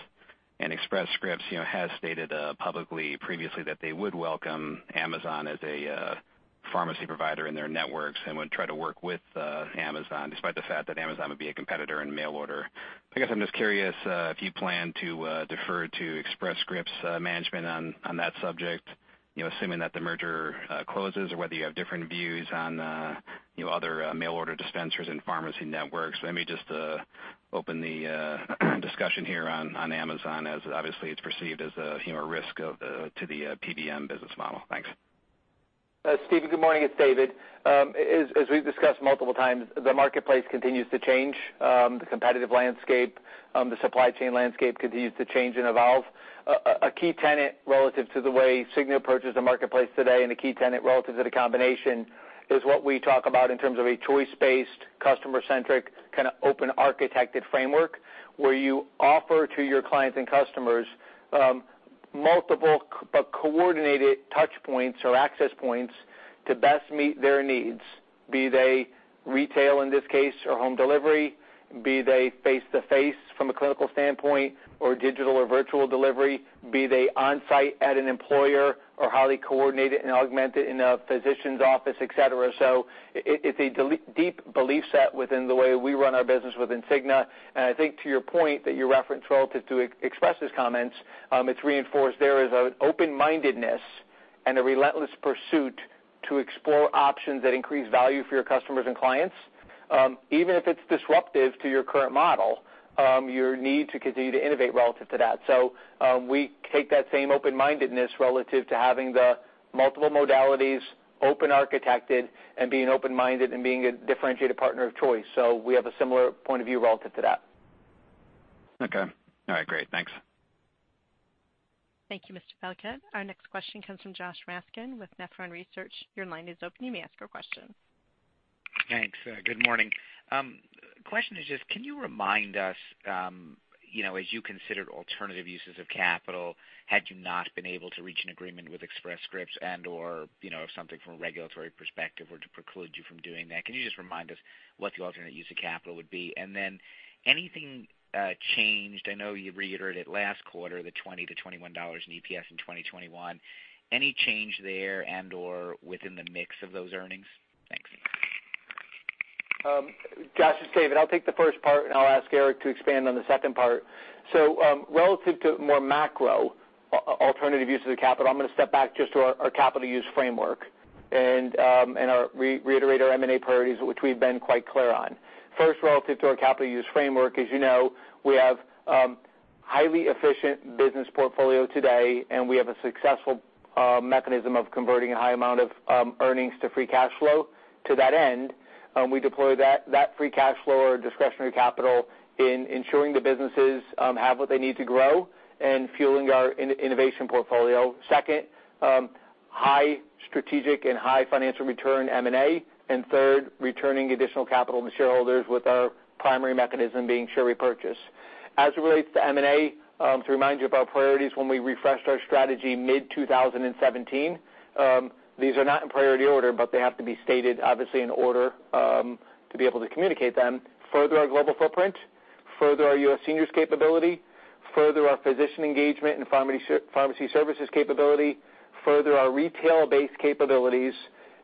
and Express Scripts has stated publicly previously that they would welcome Amazon as a pharmacy provider in their networks and would try to work with Amazon despite the fact that Amazon would be a competitor in mail order. I guess I'm just curious if you plan to defer to Express Scripts management on that subject, assuming that the merger closes, or whether you have different views on other mail order dispensers and pharmacy networks. Let me just open the discussion here on Amazon, as obviously it's perceived as a risk to the PBM business model. Thanks. Steven, good morning. It's David. As we've discussed multiple times, the marketplace continues to change. The competitive landscape, the supply chain landscape continues to change and evolve. A key tenet relative to the way Cigna approaches the marketplace today, and a key tenet relative to the combination, is what we talk about in terms of a choice-based, customer-centric, kind of open architected framework, where you offer to your clients and customers multiple but coordinated touch points or access points to best meet their needs. Be they retail in this case or home delivery, be they face-to-face from a clinical standpoint or digital or virtual delivery, be they on-site at an employer or highly coordinated and augmented in a physician's office, et cetera. It's a deep belief set within the way we run our business within Cigna. I think to your point that you referenced relative to Express's comments, it's reinforced there is an open-mindedness and a relentless pursuit to explore options that increase value for your customers and clients. Even if it's disruptive to your current model, you need to continue to innovate relative to that. We take that same open-mindedness relative to having the multiple modalities open architected and being open-minded and being a differentiated partner of choice. We have a similar point of view relative to that. Okay. All right, great. Thanks. Thank you, Mr. Valiquette. Our next question comes from Josh Raskin with Nephron Research. Your line is open. You may ask your question. Thanks. Good morning. Question is just, can you remind us, as you considered alternative uses of capital, had you not been able to reach an agreement with Express Scripts and/or, if something from a regulatory perspective were to preclude you from doing that, can you just remind us what the alternate use of capital would be? Then anything changed? I know you reiterated last quarter, the $20-$21 in EPS in 2021. Any change there and/or within the mix of those earnings? Thanks. Josh, it's David. I'll take the first part, and I'll ask Eric to expand on the second part. Relative to more macro alternative uses of capital, I'm going to step back just to our capital use framework, and reiterate our M&A priorities, which we've been quite clear on. First, relative to our capital use framework, as you know, we have highly efficient business portfolio today, and we have a successful mechanism of converting a high amount of earnings to free cash flow. To that end, we deploy that free cash flow or discretionary capital in ensuring the businesses have what they need to grow and fueling our innovation portfolio. Second, high strategic and high financial return M&A, and third, returning additional capital to shareholders with our primary mechanism being share repurchase. As it relates to M&A, to remind you of our priorities when we refreshed our strategy mid-2017, these are not in priority order, but they have to be stated, obviously, in order to be able to communicate them. Further our global footprint, further our U.S. seniors capability, further our physician engagement and pharmacy services capability, further our retail-based capabilities,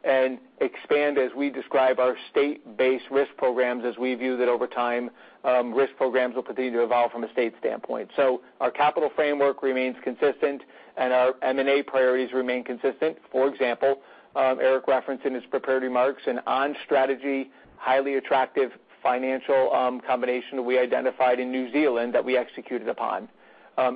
and expand, as we describe, our state-based risk programs as we view that over time, risk programs will continue to evolve from a state standpoint. Our capital framework remains consistent, and our M&A priorities remain consistent. For example, Eric referenced in his prepared remarks an on-strategy, highly attractive financial combination we identified in New Zealand that we executed upon.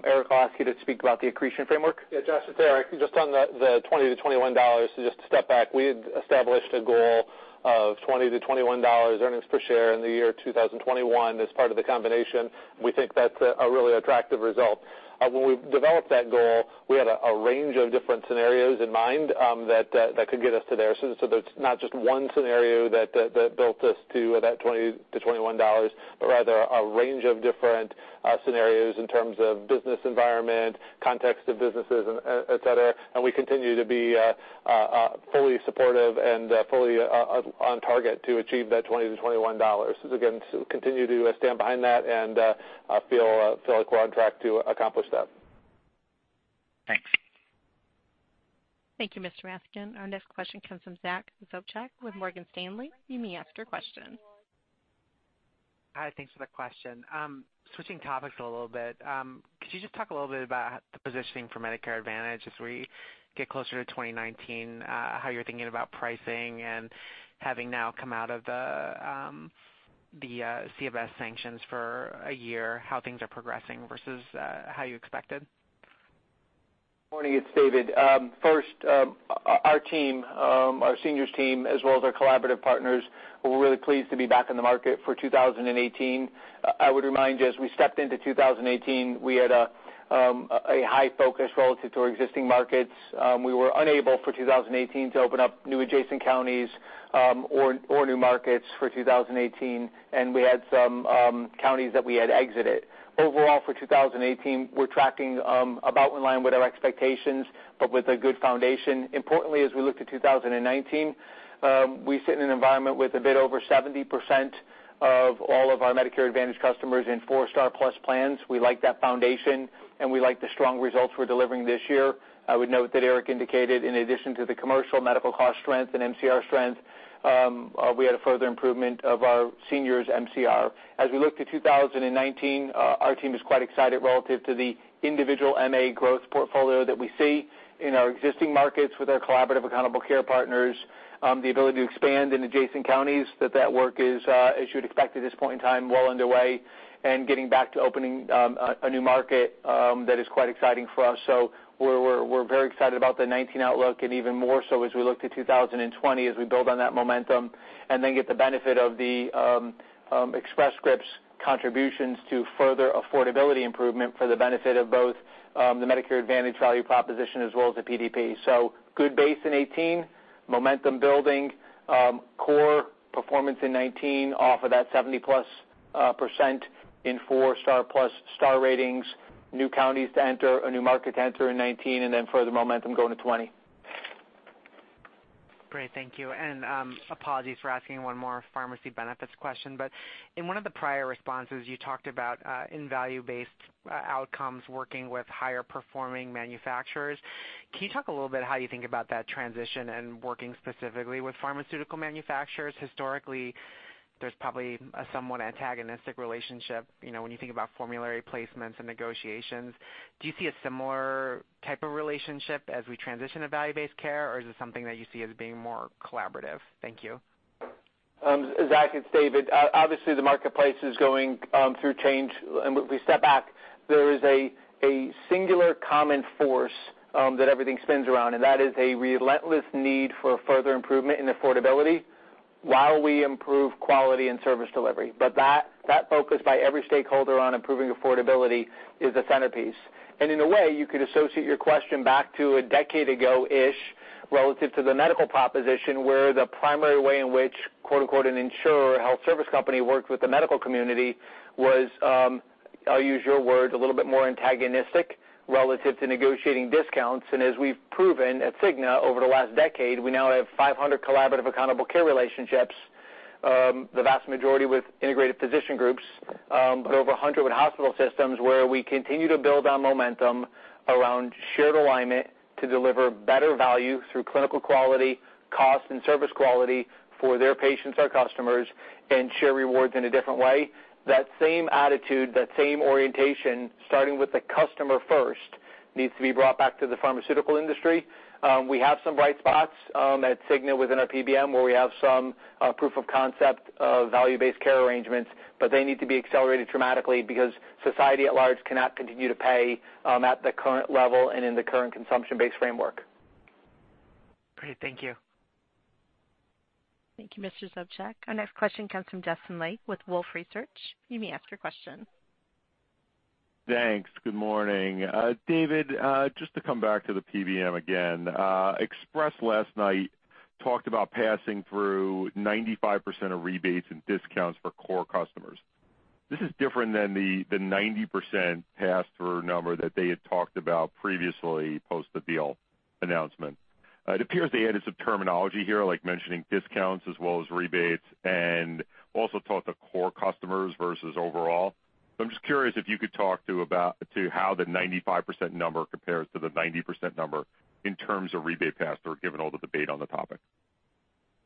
Eric, I'll ask you to speak about the accretion framework. Josh, it's Eric. Just on the $20-$21, just to step back, we had established a goal of $20-$21 earnings per share in the year 2021 as part of the combination. We think that's a really attractive result. When we developed that goal, we had a range of different scenarios in mind that could get us to there. It's not just one scenario that built us to that $20-$21, but rather a range of different scenarios in terms of business environment, context of businesses, et cetera. We continue to be fully supportive and fully on target to achieve that $20-$21. Again, continue to stand behind that, and I feel like we're on track to accomplish that. Thanks. Thank you, Mr. Raskin. Our next question comes from Zack Sopchak with Morgan Stanley. You may ask your question. Hi, thanks for the question. Switching topics a little bit, could you just talk a little bit about the positioning for Medicare Advantage as we get closer to 2019, how you're thinking about pricing and having now come out of the CMS sanctions for a year, how things are progressing versus how you expected? Morning, it's David. First, our team, our seniors team, as well as our collaborative partners, we're really pleased to be back in the market for 2018. I would remind you, as we stepped into 2018, we had a high focus relative to our existing markets. We were unable for 2018 to open up new adjacent counties or new markets for 2018, and we had some counties that we had exited. Overall for 2018, we're tracking about in line with our expectations, but with a good foundation. Importantly, as we look to 2019, we sit in an environment with a bit over 70% of all of our Medicare Advantage customers in four-star-plus plans. We like that foundation, and we like the strong results we're delivering this year. I would note that Eric indicated, in addition to the commercial medical cost strength and MCR strength, we had a further improvement of our seniors MCR. We look to 2019, our team is quite excited relative to the individual MA growth portfolio that we see in our existing markets with our collaborative accountable care partners, the ability to expand in adjacent counties, that work is, as you'd expect at this point in time, well underway, and getting back to opening a new market, that is quite exciting for us. We're very excited about the 2019 outlook and even more so as we look to 2020, as we build on that momentum, and then get the benefit of the Express Scripts contributions to further affordability improvement for the benefit of both the Medicare Advantage value proposition as well as the PDP. Good base in 2018, momentum building, core performance in 2019 off of that 70-plus% in four-star-plus star ratings, new counties to enter, a new market to enter in 2019, and then further momentum going to 2020. Great, thank you. Apologies for asking one more pharmacy benefits question, but in one of the prior responses, you talked about in value-based outcomes, working with higher performing manufacturers. Can you talk a little bit how you think about that transition and working specifically with pharmaceutical manufacturers? Historically, there's probably a somewhat antagonistic relationship, when you think about formulary placements and negotiations. Do you see a similar type of relationship as we transition to value-based care, or is it something that you see as being more collaborative? Thank you. Zack, it's David. Obviously, the marketplace is going through change. If we step back, there is a singular common force that everything spins around, and that is a relentless need for further improvement in affordability while we improve quality and service delivery. That focus by every stakeholder on improving affordability is a centerpiece. In a way, you could associate your question back to a decade ago-ish, relative to the medical proposition, where the primary way in which, quote unquote, an insurer health service company worked with the medical community was, I'll use your words, a little bit more antagonistic relative to negotiating discounts. As we've proven at Cigna over the last decade, we now have 500 collaborative accountable care relationships, the vast majority with integrated physician groups, but over 100 with hospital systems, where we continue to build on momentum around shared alignment to deliver better value through clinical quality, cost, and service quality for their patients, our customers, and share rewards in a different way. That same attitude, that same orientation, starting with the customer first, needs to be brought back to the pharmaceutical industry. We have some bright spots at Cigna within our PBM, where we have some proof of concept of value-based care arrangements, but they need to be accelerated dramatically because society at large cannot continue to pay at the current level and in the current consumption-based framework. Great. Thank you. Thank you, Mr. Sopchak. Our next question comes from Justin Lake with Wolfe Research. You may ask your question. Thanks. Good morning. David, just to come back to the PBM again. Express last night talked about passing through 95% of rebates and discounts for core customers. This is different than the 90% pass-through number that they had talked about previously, post the deal announcement. It appears they added some terminology here, like mentioning discounts as well as rebates, and also talked to core customers versus overall. I'm just curious if you could talk to how the 95% number compares to the 90% number in terms of rebate pass-through, given all the debate on the topic.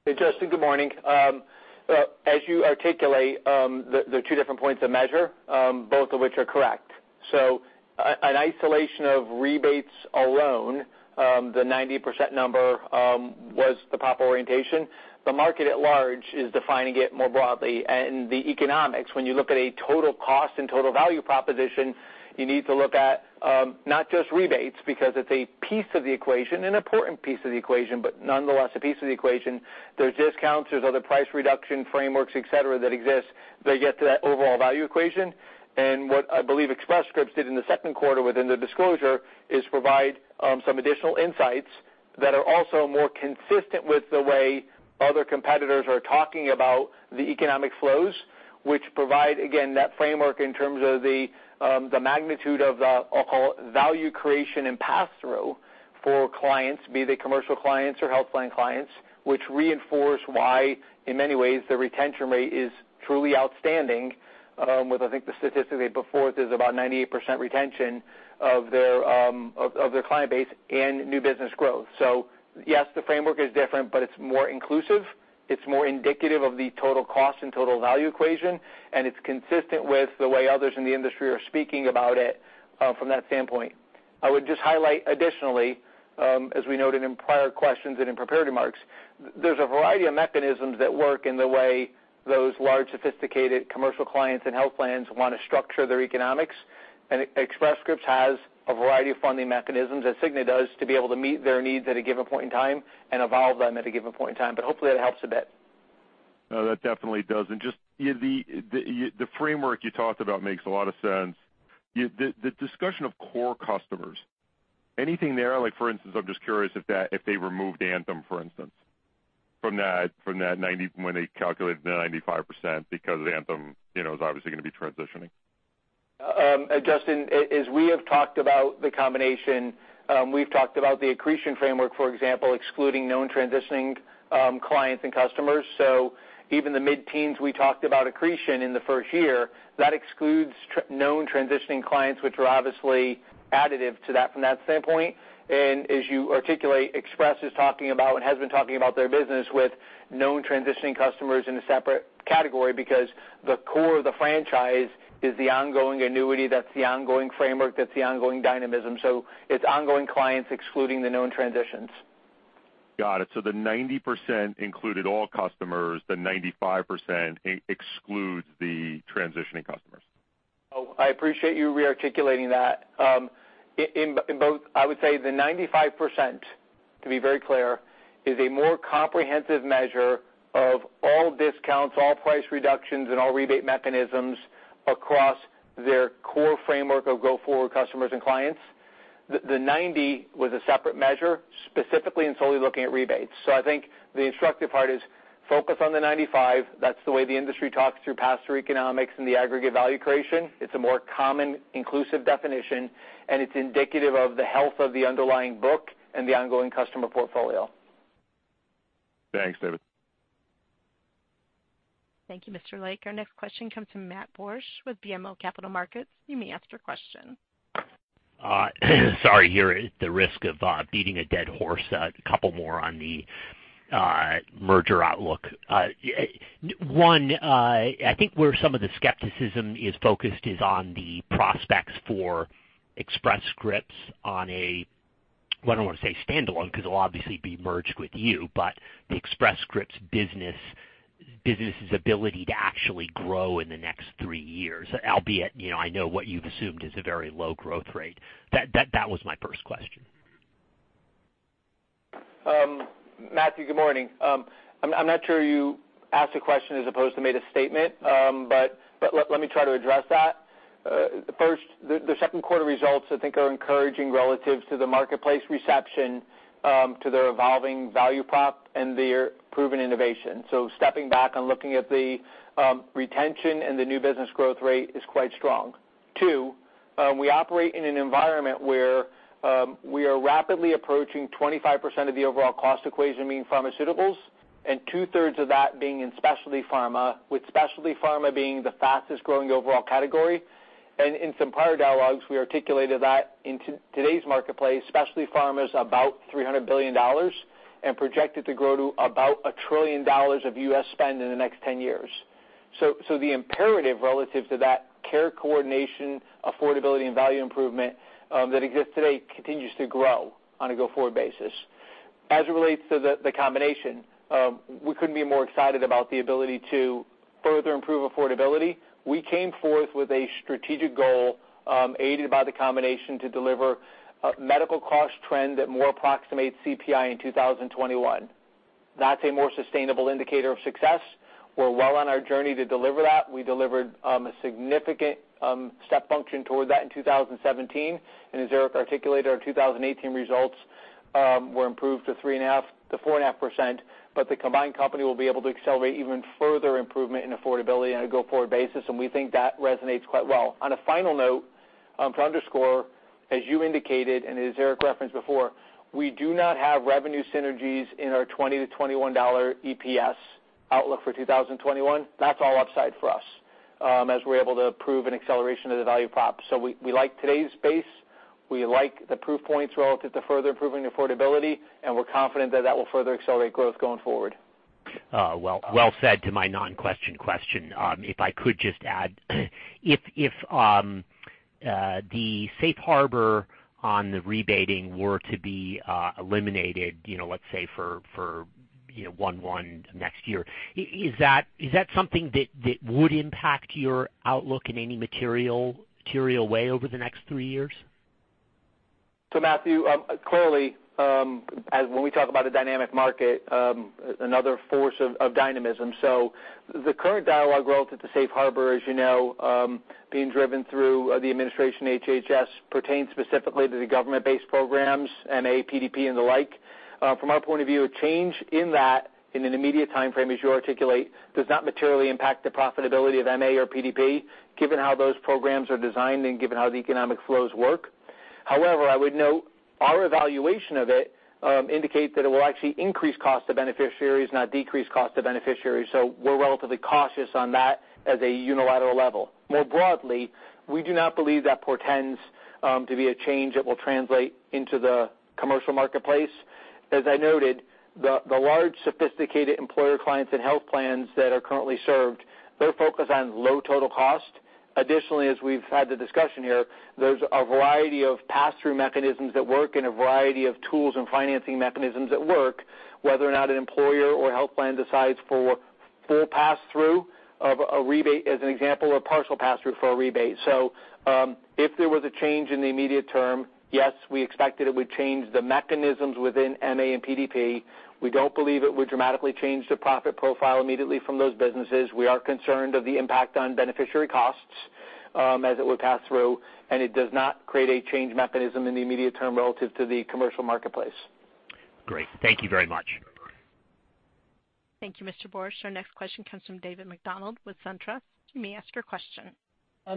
Hey, Justin. Good morning. As you articulate, they're two different points of measure, both of which are correct. In isolation of rebates alone, the 90% number was the proper orientation. The market at large is defining it more broadly, and the economics, when you look at a total cost and total value proposition, you need to look at not just rebates, because it's a piece of the equation, an important piece of the equation, but nonetheless, a piece of the equation. There's discounts, there's other price reduction frameworks, et cetera, that exist that get to that overall value equation. What I believe Express Scripts did in the second quarter within the disclosure is provide some additional insights that are also more consistent with the way other competitors are talking about the economic flows, which provide, again, that framework in terms of the magnitude of the value creation and pass-through for clients, be they commercial clients or health plan clients, which reinforce why, in many ways, the retention rate is truly outstanding, with, I think the statistic they put forth is about 98% retention of their client base and new business growth. Yes, the framework is different, but it's more inclusive, it's more indicative of the total cost and total value equation, and it's consistent with the way others in the industry are speaking about it from that standpoint. I would just highlight additionally, as we noted in prior questions and in prepared remarks, there's a variety of mechanisms that work in the way those large, sophisticated commercial clients and health plans want to structure their economics. Express Scripts has a variety of funding mechanisms, as Cigna does, to be able to meet their needs at a given point in time and evolve them at a given point in time. Hopefully, that helps a bit. No, that definitely does. Just the framework you talked about makes a lot of sense. The discussion of core customers, anything there, like for instance, I'm just curious if they removed Anthem, for instance, from that 90, when they calculated the 95%, because Anthem is obviously going to be transitioning. Justin, as we have talked about the combination, we've talked about the accretion framework, for example, excluding known transitioning clients and customers. Even the mid-teens we talked about accretion in the first year, that excludes known transitioning clients, which are obviously additive to that from that standpoint. As you articulate, Express is talking about, and has been talking about their business with known transitioning customers in a separate category because the core of the franchise is the ongoing annuity, that's the ongoing framework, that's the ongoing dynamism. It's ongoing clients excluding the known transitions. Got it. The 90% included all customers, the 95% excludes the transitioning customers. I appreciate you re-articulating that. In both, I would say the 95%, to be very clear, is a more comprehensive measure of all discounts, all price reductions, and all rebate mechanisms across their core framework of go-forward customers and clients. The 90 was a separate measure, specifically and solely looking at rebates. I think the instructive part is focus on the 95. That's the way the industry talks through pass-through economics and the aggregate value creation. It's a more common, inclusive definition, and it's indicative of the health of the underlying book and the ongoing customer portfolio. Thanks, David. Thank you, Mr. Lake. Our next question comes from Matt Borsch with BMO Capital Markets. You may ask your question. Sorry, here at the risk of beating a dead horse, a couple more on the merger outlook. One, I think where some of the skepticism is focused is on the prospects for Express Scripts on a, well, I don't want to say standalone because it'll obviously be merged with you, but the Express Scripts business' ability to actually grow in the next three years, albeit, I know what you've assumed is a very low growth rate. That was my first question. Matthew, good morning. I'm not sure you asked a question as opposed to made a statement, but let me try to address that. First, the second quarter results, I think, are encouraging relative to the marketplace reception, to their evolving value prop, and their proven innovation. Stepping back and looking at the retention and the new business growth rate is quite strong. Two, we operate in an environment where we are rapidly approaching 25% of the overall cost equation being pharmaceuticals, and two-thirds of that being in specialty pharma, with specialty pharma being the fastest-growing overall category. In some prior dialogues, we articulated that in today's marketplace, specialty pharma's about $300 billion and projected to grow to about $1 trillion of U.S. spend in the next 10 years. The imperative relative to that care coordination, affordability, and value improvement that exists today continues to grow on a go-forward basis. As it relates to the combination, we couldn't be more excited about the ability to further improve affordability. We came forth with a strategic goal, aided by the combination, to deliver a medical cost trend that more approximates CPI in 2021. That's a more sustainable indicator of success. We're well on our journey to deliver that. We delivered a significant step function toward that in 2017, and as Eric articulated, our 2018 results were improved to 3.5%-4.5%, but the combined company will be able to accelerate even further improvement in affordability on a go-forward basis, and we think that resonates quite well. On a final note, to underscore, as you indicated, and as Eric referenced before, we do not have revenue synergies in our $20-$21 EPS outlook for 2021. That's all upside for us as we're able to prove an acceleration of the value prop. We like today's base, we like the proof points relative to further improving affordability, and we're confident that that will further accelerate growth going forward. Well said to my non-question question. If I could just add, if the safe harbor on the rebating were to be eliminated, let's say for 1/1 next year, is that something that would impact your outlook in any material way over the next three years? Matthew, clearly, when we talk about a dynamic market, another force of dynamism. The current dialogue relative to safe harbor, as you know, being driven through the administration HHS pertains specifically to the government-based programs, MA, PDP, and the like. From our point of view, a change in that in an immediate timeframe, as you articulate, does not materially impact the profitability of MA or PDP, given how those programs are designed and given how the economic flows work. However, I would note our evaluation of it indicates that it will actually increase cost to beneficiaries, not decrease cost to beneficiaries. We're relatively cautious on that at a unilateral level. More broadly, we do not believe that portends to be a change that will translate into the commercial marketplace. As I noted, the large, sophisticated employer clients and health plans that are currently served, they're focused on low total cost. Additionally, as we've had the discussion here, there's a variety of pass-through mechanisms that work and a variety of tools and financing mechanisms that work, whether or not an employer or health plan decides for full pass-through of a rebate, as an example, or partial pass-through for a rebate. If there was a change in the immediate term, yes, we expected it would change the mechanisms within MA and PDP. We don't believe it would dramatically change the profit profile immediately from those businesses. We are concerned of the impact on beneficiary costs as it would pass through, and it does not create a change mechanism in the immediate term relative to the commercial marketplace. Great. Thank you very much. Thank you, Mr. Borsch. Our next question comes from David MacDonald with SunTrust. You may ask your question.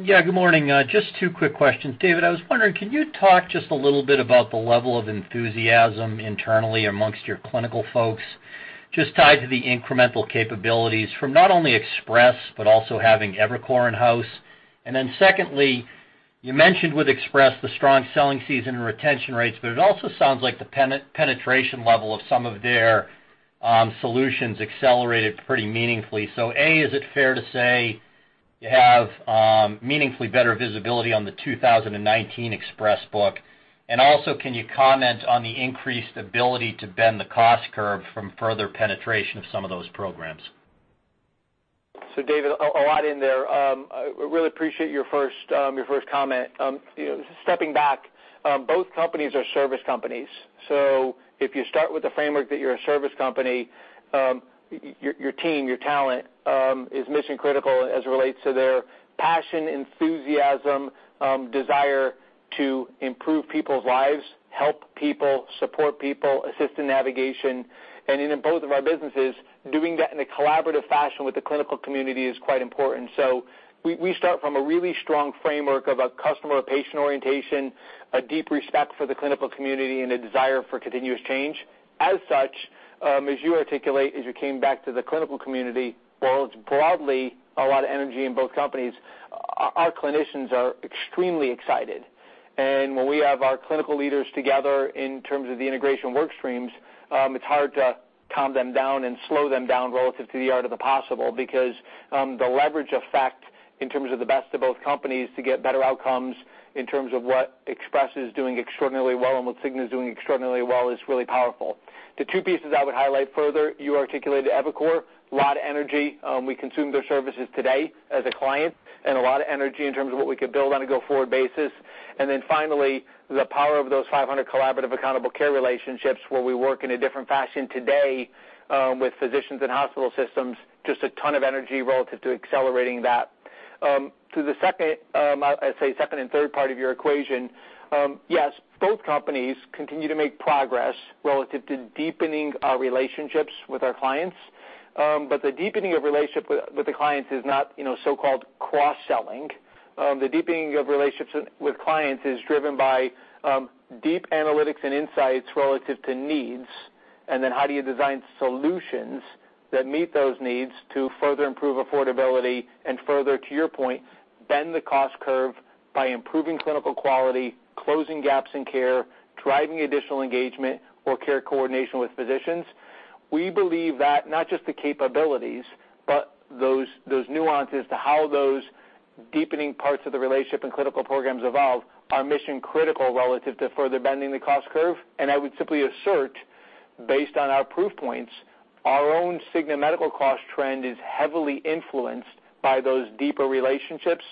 Good morning. Just two quick questions. David, I was wondering, can you talk just a little bit about the level of enthusiasm internally amongst your clinical folks, just tied to the incremental capabilities from not only Express, but also having EviCore in-house? Secondly, you mentioned with Express the strong selling season and retention rates, but it also sounds like the penetration level of some of their solutions accelerated pretty meaningfully. A, is it fair to say you have meaningfully better visibility on the 2019 Express book? Can you comment on the increased ability to bend the cost curve from further penetration of some of those programs? David, a lot in there. I really appreciate your first comment. Stepping back, both companies are service companies. If you start with the framework that you're a service company, your team, your talent, is mission-critical as it relates to their passion, enthusiasm, desire to improve people's lives, help people, support people, assist in navigation. In both of our businesses, doing that in a collaborative fashion with the clinical community is quite important. We start from a really strong framework of a customer or patient orientation, a deep respect for the clinical community, and a desire for continuous change. As such, as you articulate, as you came back to the clinical community, while it's broadly a lot of energy in both companies, our clinicians are extremely excited. When we have our clinical leaders together in terms of the integration work streams, it's hard to calm them down and slow them down relative to the art of the possible, because the leverage effect in terms of the best of both companies to get better outcomes in terms of what Express is doing extraordinarily well and what Cigna is doing extraordinarily well is really powerful. The two pieces I would highlight further, you articulated EviCore, lot of energy. We consume their services today as a client, and a lot of energy in terms of what we could build on a go-forward basis. Finally, the power of those 500 collaborative accountable care relationships where we work in a different fashion today with physicians and hospital systems, just a ton of energy relative to accelerating that. To the second and third part of your equation, yes, both companies continue to make progress relative to deepening our relationships with our clients. The deepening of relationship with the clients is not so-called cross-selling. The deepening of relationships with clients is driven by deep analytics and insights relative to needs, and then how do you design solutions that meet those needs to further improve affordability and further, to your point, bend the cost curve by improving clinical quality, closing gaps in care, driving additional engagement or care coordination with physicians. We believe that not just the capabilities, but those nuances to how those deepening parts of the relationship and clinical programs evolve are mission critical relative to further bending the cost curve. I would simply assert, based on our proof points, our own Cigna medical cost trend is heavily influenced by those deeper relationships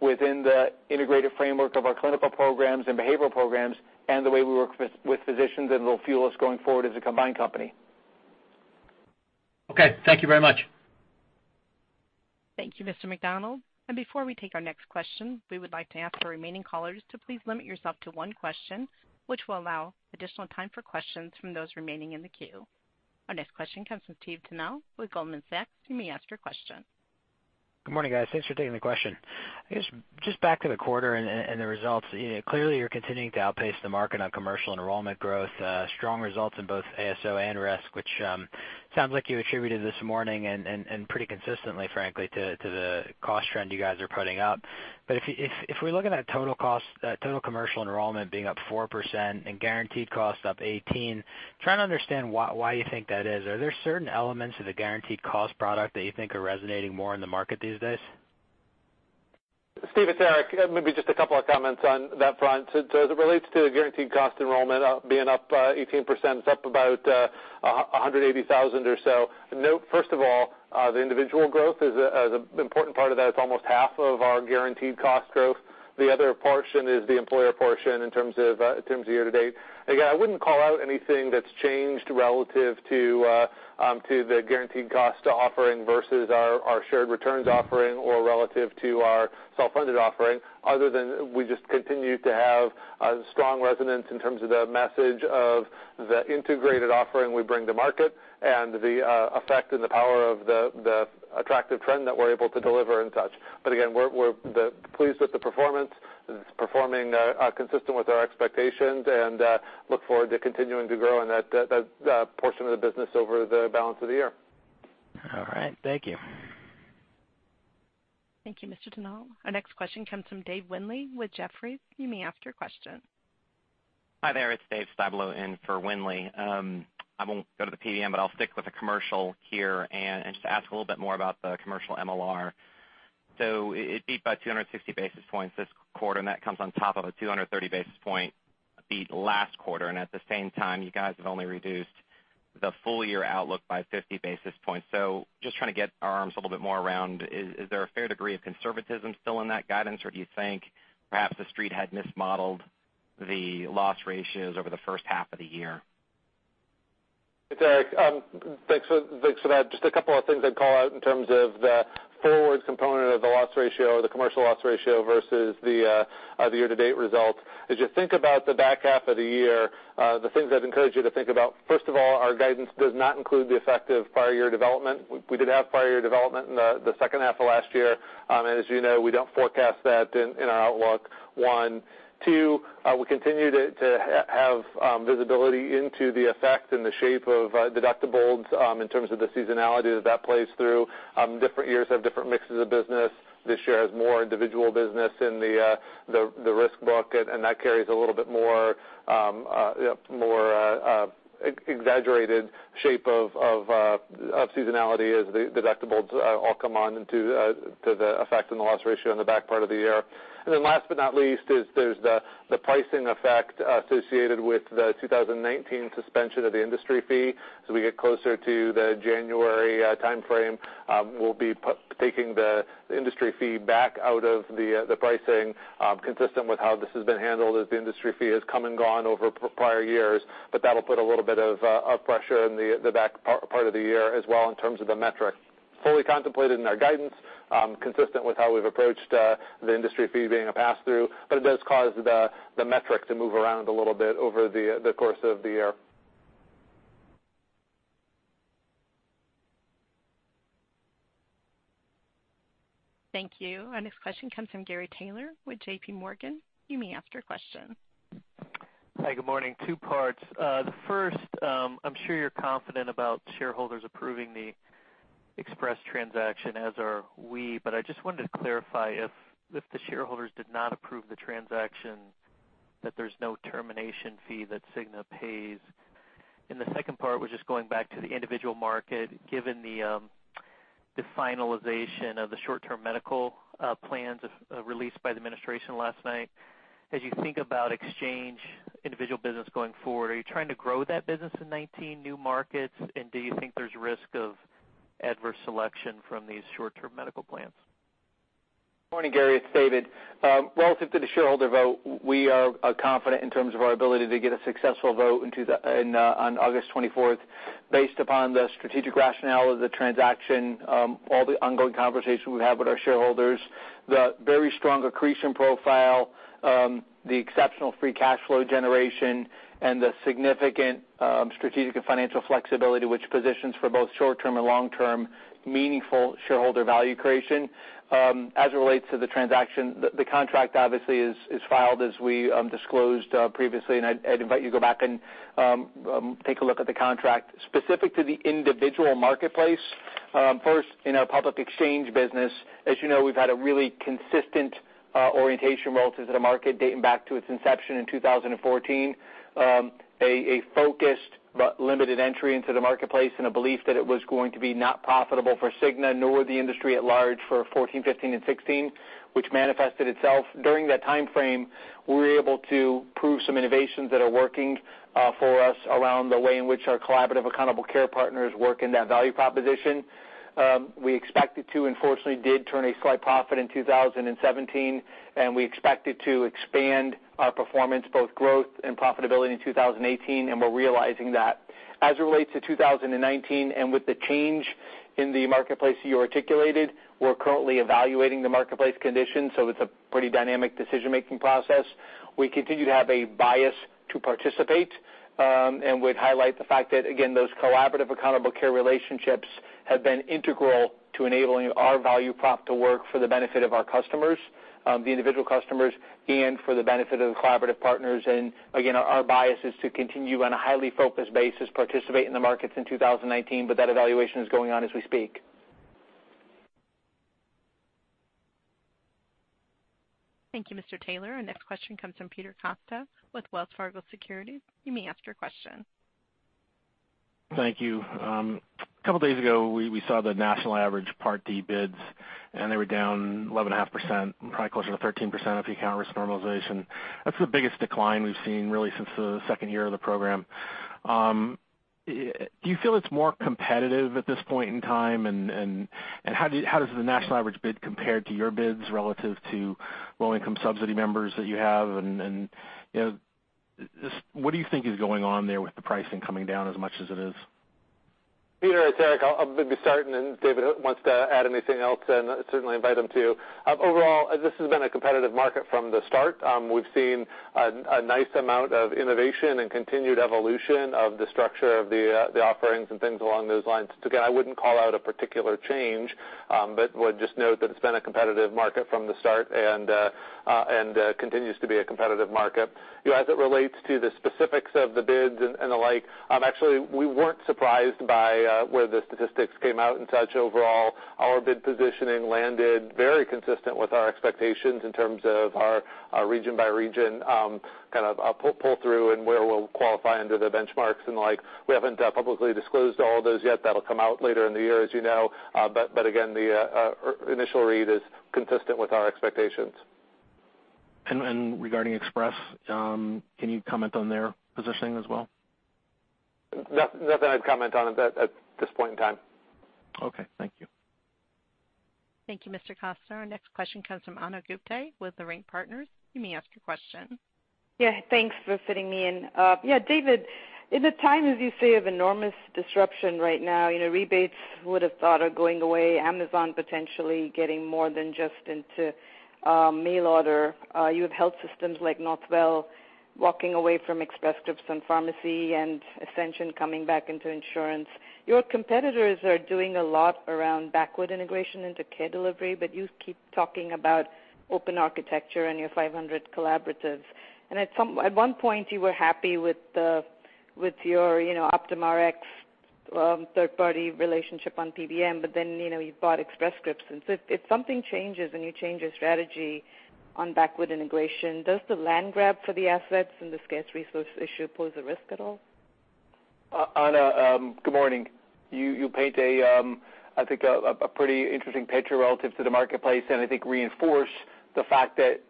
within the integrated framework of our clinical programs and behavioral programs, and the way we work with physicians, and it'll fuel us going forward as a combined company. Okay. Thank you very much. Thank you, Mr. MacDonald. Before we take our next question, we would like to ask the remaining callers to please limit yourself to one question, which will allow additional time for questions from those remaining in the queue. Our next question comes from Stephen Tanal with Goldman Sachs. You may ask your question. Good morning, guys. Thanks for taking the question. I guess, just back to the quarter and the results. Clearly, you're continuing to outpace the market on commercial enrollment growth, strong results in both ASO and risk, which sounds like you attributed this morning and pretty consistently, frankly, to the cost trend you guys are putting up. If we look at that total commercial enrollment being up 4% and guaranteed cost up 18, trying to understand why you think that is. Are there certain elements of the guaranteed cost product that you think are resonating more in the market these days? Steve, it's Eric. Maybe just a couple of comments on that front. As it relates to guaranteed cost enrollment being up 18%, it's up about 180,000 or so. Note, first of all, the individual growth is an important part of that. It's almost half of our guaranteed cost growth. The other portion is the employer portion in terms of year to date. Again, I wouldn't call out anything that's changed relative to the guaranteed cost offering versus our shared returns offering or relative to our self-funded offering, other than we just continue to have a strong resonance in terms of the message of the integrated offering we bring to market and the effect and the power of the attractive trend that we're able to deliver and such. Again, we're pleased with the performance. It's performing consistent with our expectations, and look forward to continuing to grow in that portion of the business over the balance of the year. All right. Thank you. Thank you, Mr. Tanal. Our next question comes from Dave Windley with Jefferies. You may ask your question. Hi there. It's Dave Styblo in for Windley. I won't go to the PBM, but I'll stick with the commercial here and just ask a little bit more about the commercial MLR. It beat by 260 basis points this quarter, and that comes on top of a 230 basis point beat last quarter. At the same time, you guys have only reduced the full-year outlook by 50 basis points. Just trying to get our arms a little bit more around, is there a fair degree of conservatism still in that guidance, or do you think perhaps The Street had mismodeled the loss ratios over the first half of the year? It's Eric. Thanks for that. Just a couple of things I'd call out in terms of the forwards component of the loss ratio or the commercial loss ratio versus the year-to-date results. As you think about the back half of the year, the things I'd encourage you to think about, first of all, our guidance does not include the effect of prior year development. We did have prior year development in the second half of last year. As you know, we don't forecast that in our outlook, one. Two, we continue to have visibility into the effect and the shape of deductibles in terms of the seasonality that plays through. Different years have different mixes of business. This year has more individual business in the risk book, and that carries a little bit more exaggerated shape of seasonality as the deductibles all come on to the effect on the loss ratio in the back part of the year. Last but not least is there's the pricing effect associated with the 2019 suspension of the industry fee. As we get closer to the January timeframe, we'll be taking the industry fee back out of the pricing, consistent with how this has been handled as the industry fee has come and gone over prior years. That'll put a little bit of pressure in the back part of the year as well in terms of the metric. Fully contemplated in our guidance, consistent with how we've approached the industry fee being a pass-through, it does cause the metric to move around a little bit over the course of the year. Thank you. Our next question comes from Gary Taylor with JPMorgan. You may ask your question. Hi, good morning. Two parts. The first, I'm sure you're confident about shareholders approving the Express transaction, as are we. I just wanted to clarify, if the shareholders did not approve the transaction, that there's no termination fee that Cigna pays. The second part was just going back to the individual market, given the finalization of the short-term medical plans released by the administration last night. As you think about exchange individual business going forward, are you trying to grow that business in 2019 new markets. Do you think there's risk of Adverse selection from these short-term medical plans? Morning, Gary, it's David. Relative to the shareholder vote, we are confident in terms of our ability to get a successful vote on August 24th, based upon the strategic rationale of the transaction, all the ongoing conversations we have with our shareholders, the very strong accretion profile, the exceptional free cash flow generation, and the significant strategic and financial flexibility, which positions for both short-term and long-term meaningful shareholder value creation. As it relates to the transaction, the contract obviously is filed as we disclosed previously, I'd invite you to go back and take a look at the contract. Specific to the individual marketplace, first, in our public exchange business, as you know, we've had a really consistent orientation relative to the market dating back to its inception in 2014. A focused but limited entry into the marketplace and a belief that it was going to be not profitable for Cigna, nor the industry at large for 2014, 2015, and 2016, which manifested itself. During that timeframe, we were able to prove some innovations that are working for us around the way in which our collaborative accountable care partners work in that value proposition. We expected to, and fortunately did, turn a slight profit in 2017. We expected to expand our performance, both growth and profitability, in 2018, and we're realizing that. As it relates to 2019, with the change in the marketplace that you articulated, we're currently evaluating the marketplace conditions. It's a pretty dynamic decision-making process. We continue to have a bias to participate, would highlight the fact that, again, those collaborative accountable care relationships have been integral to enabling our value prop to work for the benefit of our customers, the individual customers, and for the benefit of the collaborative partners. Again, our bias is to continue on a highly focused basis, participate in the markets in 2019, but that evaluation is going on as we speak. Thank you, Mr. Taylor. Our next question comes from Peter Costa with Wells Fargo Securities. You may ask your question. Thank you. A couple of days ago, we saw the national average Part D bids. They were down 11.5%, probably closer to 13% if you count risk normalization. That's the biggest decline we've seen really since the second year of the program. Do you feel it's more competitive at this point in time, and how does the national average bid compare to your bids relative to low-income subsidy members that you have, and what do you think is going on there with the pricing coming down as much as it is? Peter, it's Eric. I'll maybe start, and if David wants to add anything else, then I certainly invite him to. Overall, this has been a competitive market from the start. We've seen a nice amount of innovation and continued evolution of the structure of the offerings and things along those lines. Again, I wouldn't call out a particular change, but would just note that it's been a competitive market from the start, and continues to be a competitive market. As it relates to the specifics of the bids and the like, actually, we weren't surprised by where the statistics came out and such. Overall, our bid positioning landed very consistent with our expectations in terms of our region-by-region kind of pull-through and where we'll qualify under the benchmarks and the like. We haven't publicly disclosed all of those yet. That'll come out later in the year, as you know. Again, the initial read is consistent with our expectations. Regarding Express, can you comment on their positioning as well? Nothing I'd comment on at this point in time. Okay. Thank you. Thank you, Mr. Costa. Our next question comes from Ana Gupte with Leerink Partners. You may ask your question. Thanks for fitting me in. David, in a time, as you say, of enormous disruption right now, rebates who would've thought are going away, Amazon potentially getting more than just into mail order. You have health systems like Northwell walking away from Express Scripts and Pharmacy and Ascension coming back into insurance. Your competitors are doing a lot around backward integration into care delivery, but you keep talking about open architecture and your 500 collaboratives. At one point, you were happy with your OptumRx third-party relationship on PBM, but then you bought Express Scripts. If something changes and you change your strategy on backward integration, does the land grab for the assets and the scarce resource issue pose a risk at all? Ana, good morning. You paint, I think, a pretty interesting picture relative to the marketplace, and I think reinforce the fact that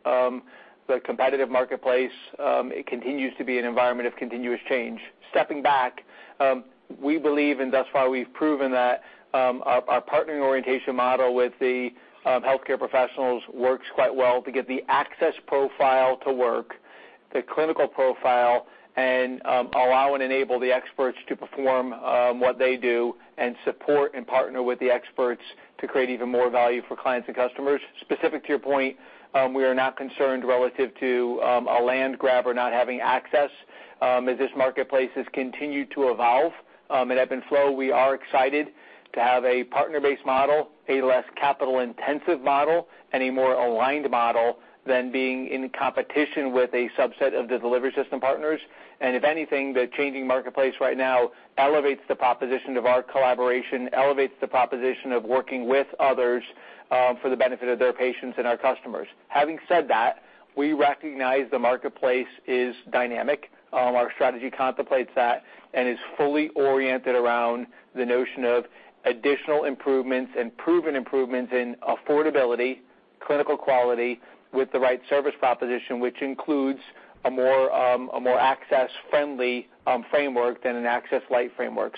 the competitive marketplace, it continues to be an environment of continuous change. Stepping back, we believe, and thus far we've proven that our partnering orientation model with the healthcare professionals works quite well to get the access profile to work, the clinical profile, and allow and enable the experts to perform what they do and support and partner with the experts to create even more value for clients and customers. Specific to your point, we are not concerned relative to a land grab or not having access. As this marketplace has continued to evolve, ebb and flow, we are excited to have a partner-based model, a less capital-intensive model, and a more aligned model than being in competition with a subset of the delivery system partners. If anything, the changing marketplace right now elevates the proposition of our collaboration, elevates the proposition of working with others for the benefit of their patients and our customers. Having said that, we recognize the marketplace is dynamic. Our strategy contemplates that and is fully oriented around the notion of additional improvements and proven improvements in affordability clinical quality with the right service proposition, which includes a more access-friendly framework than an access light framework.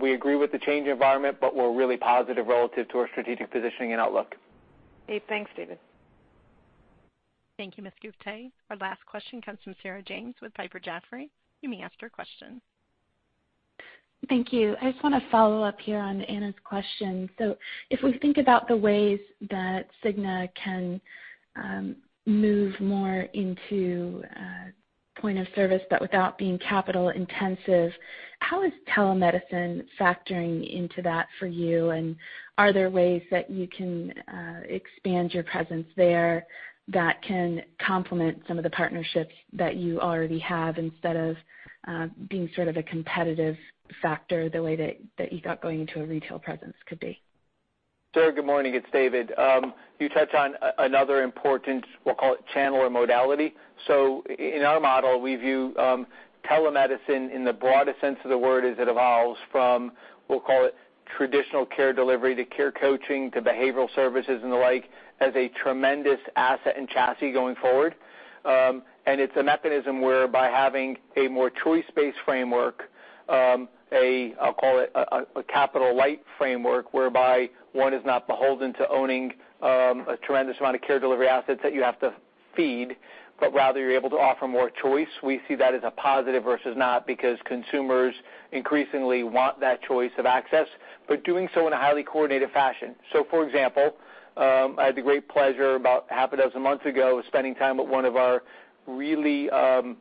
We agree with the changing environment, but we're really positive relative to our strategic positioning and outlook. Great. Thanks, David. Thank you, Ms. Gupte. Our last question comes from Sarah James with Piper Jaffray. You may ask your question. Thank you. I just want to follow up here on Ana's question. If we think about the ways that Cigna can move more into point of service, but without being capital intensive, how is telemedicine factoring into that for you? Are there ways that you can expand your presence there that can complement some of the partnerships that you already have, instead of being sort of a competitive factor, the way that you thought going into a retail presence could be? Sarah, good morning. It's David. You touched on another important, we'll call it channel or modality. In our model, we view telemedicine in the broadest sense of the word as it evolves from, we'll call it traditional care delivery to care coaching to behavioral services and the like, as a tremendous asset and chassis going forward. It's a mechanism where by having a more choice-based framework, I'll call it a capital light framework, whereby one is not beholden to owning a tremendous amount of care delivery assets that you have to feed, but rather you're able to offer more choice. We see that as a positive versus not, because consumers increasingly want that choice of access, but doing so in a highly coordinated fashion. For example, I had the great pleasure about half a dozen months ago, spending time with one of our really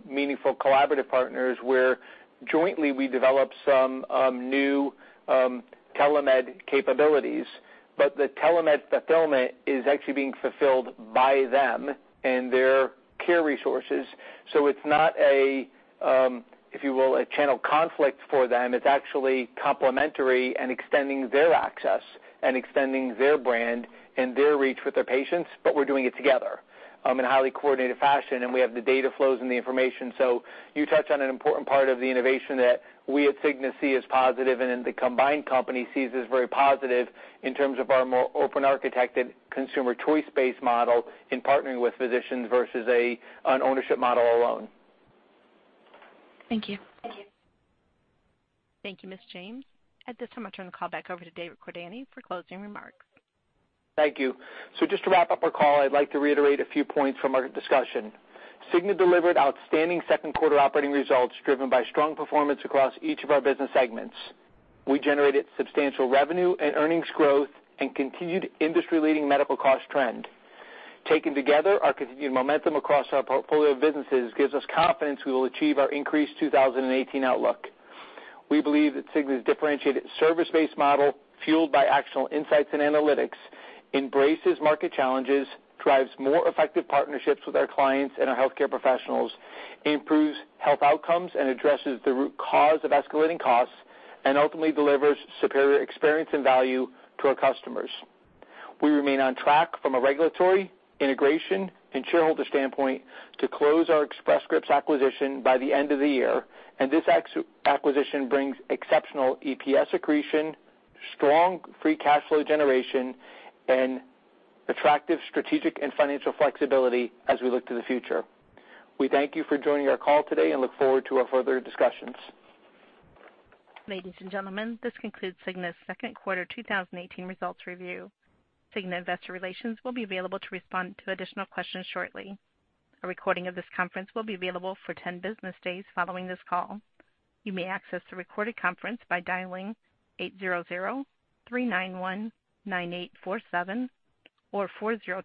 meaningful collaborative partners, where jointly we developed some new telemed capabilities. The telemed fulfillment is actually being fulfilled by them and their care resources. It's not a, if you will, a channel conflict for them. It's actually complementary and extending their access and extending their brand and their reach with their patients, but we're doing it together in a highly coordinated fashion, and we have the data flows and the information. You touched on an important part of the innovation that we at Cigna see as positive and in the combined company sees as very positive in terms of our more open architected consumer choice-based model in partnering with physicians versus an ownership model alone. Thank you. Thank you, Ms. James. At this time, I turn the call back over to David Cordani for closing remarks. Thank you. Just to wrap up our call, I'd like to reiterate a few points from our discussion. Cigna delivered outstanding second quarter operating results, driven by strong performance across each of our business segments. We generated substantial revenue and earnings growth and continued industry-leading medical cost trend. Taken together, our continued momentum across our portfolio of businesses gives us confidence we will achieve our increased 2018 outlook. We believe that Cigna's differentiated service-based model, fueled by actionable insights and analytics, embraces market challenges, drives more effective partnerships with our clients and our healthcare professionals, improves health outcomes, and addresses the root cause of escalating costs, and ultimately delivers superior experience and value to our customers. We remain on track from a regulatory, integration, and shareholder standpoint to close our Express Scripts acquisition by the end of the year. This acquisition brings exceptional EPS accretion, strong free cash flow generation, and attractive strategic and financial flexibility as we look to the future. We thank you for joining our call today and look forward to our further discussions. Ladies and gentlemen, this concludes Cigna's second quarter 2018 results review. Cigna Investor Relations will be available to respond to additional questions shortly. A recording of this conference will be available for 10 business days following this call. You may access the recorded conference by dialing 800-391-9847 or 40-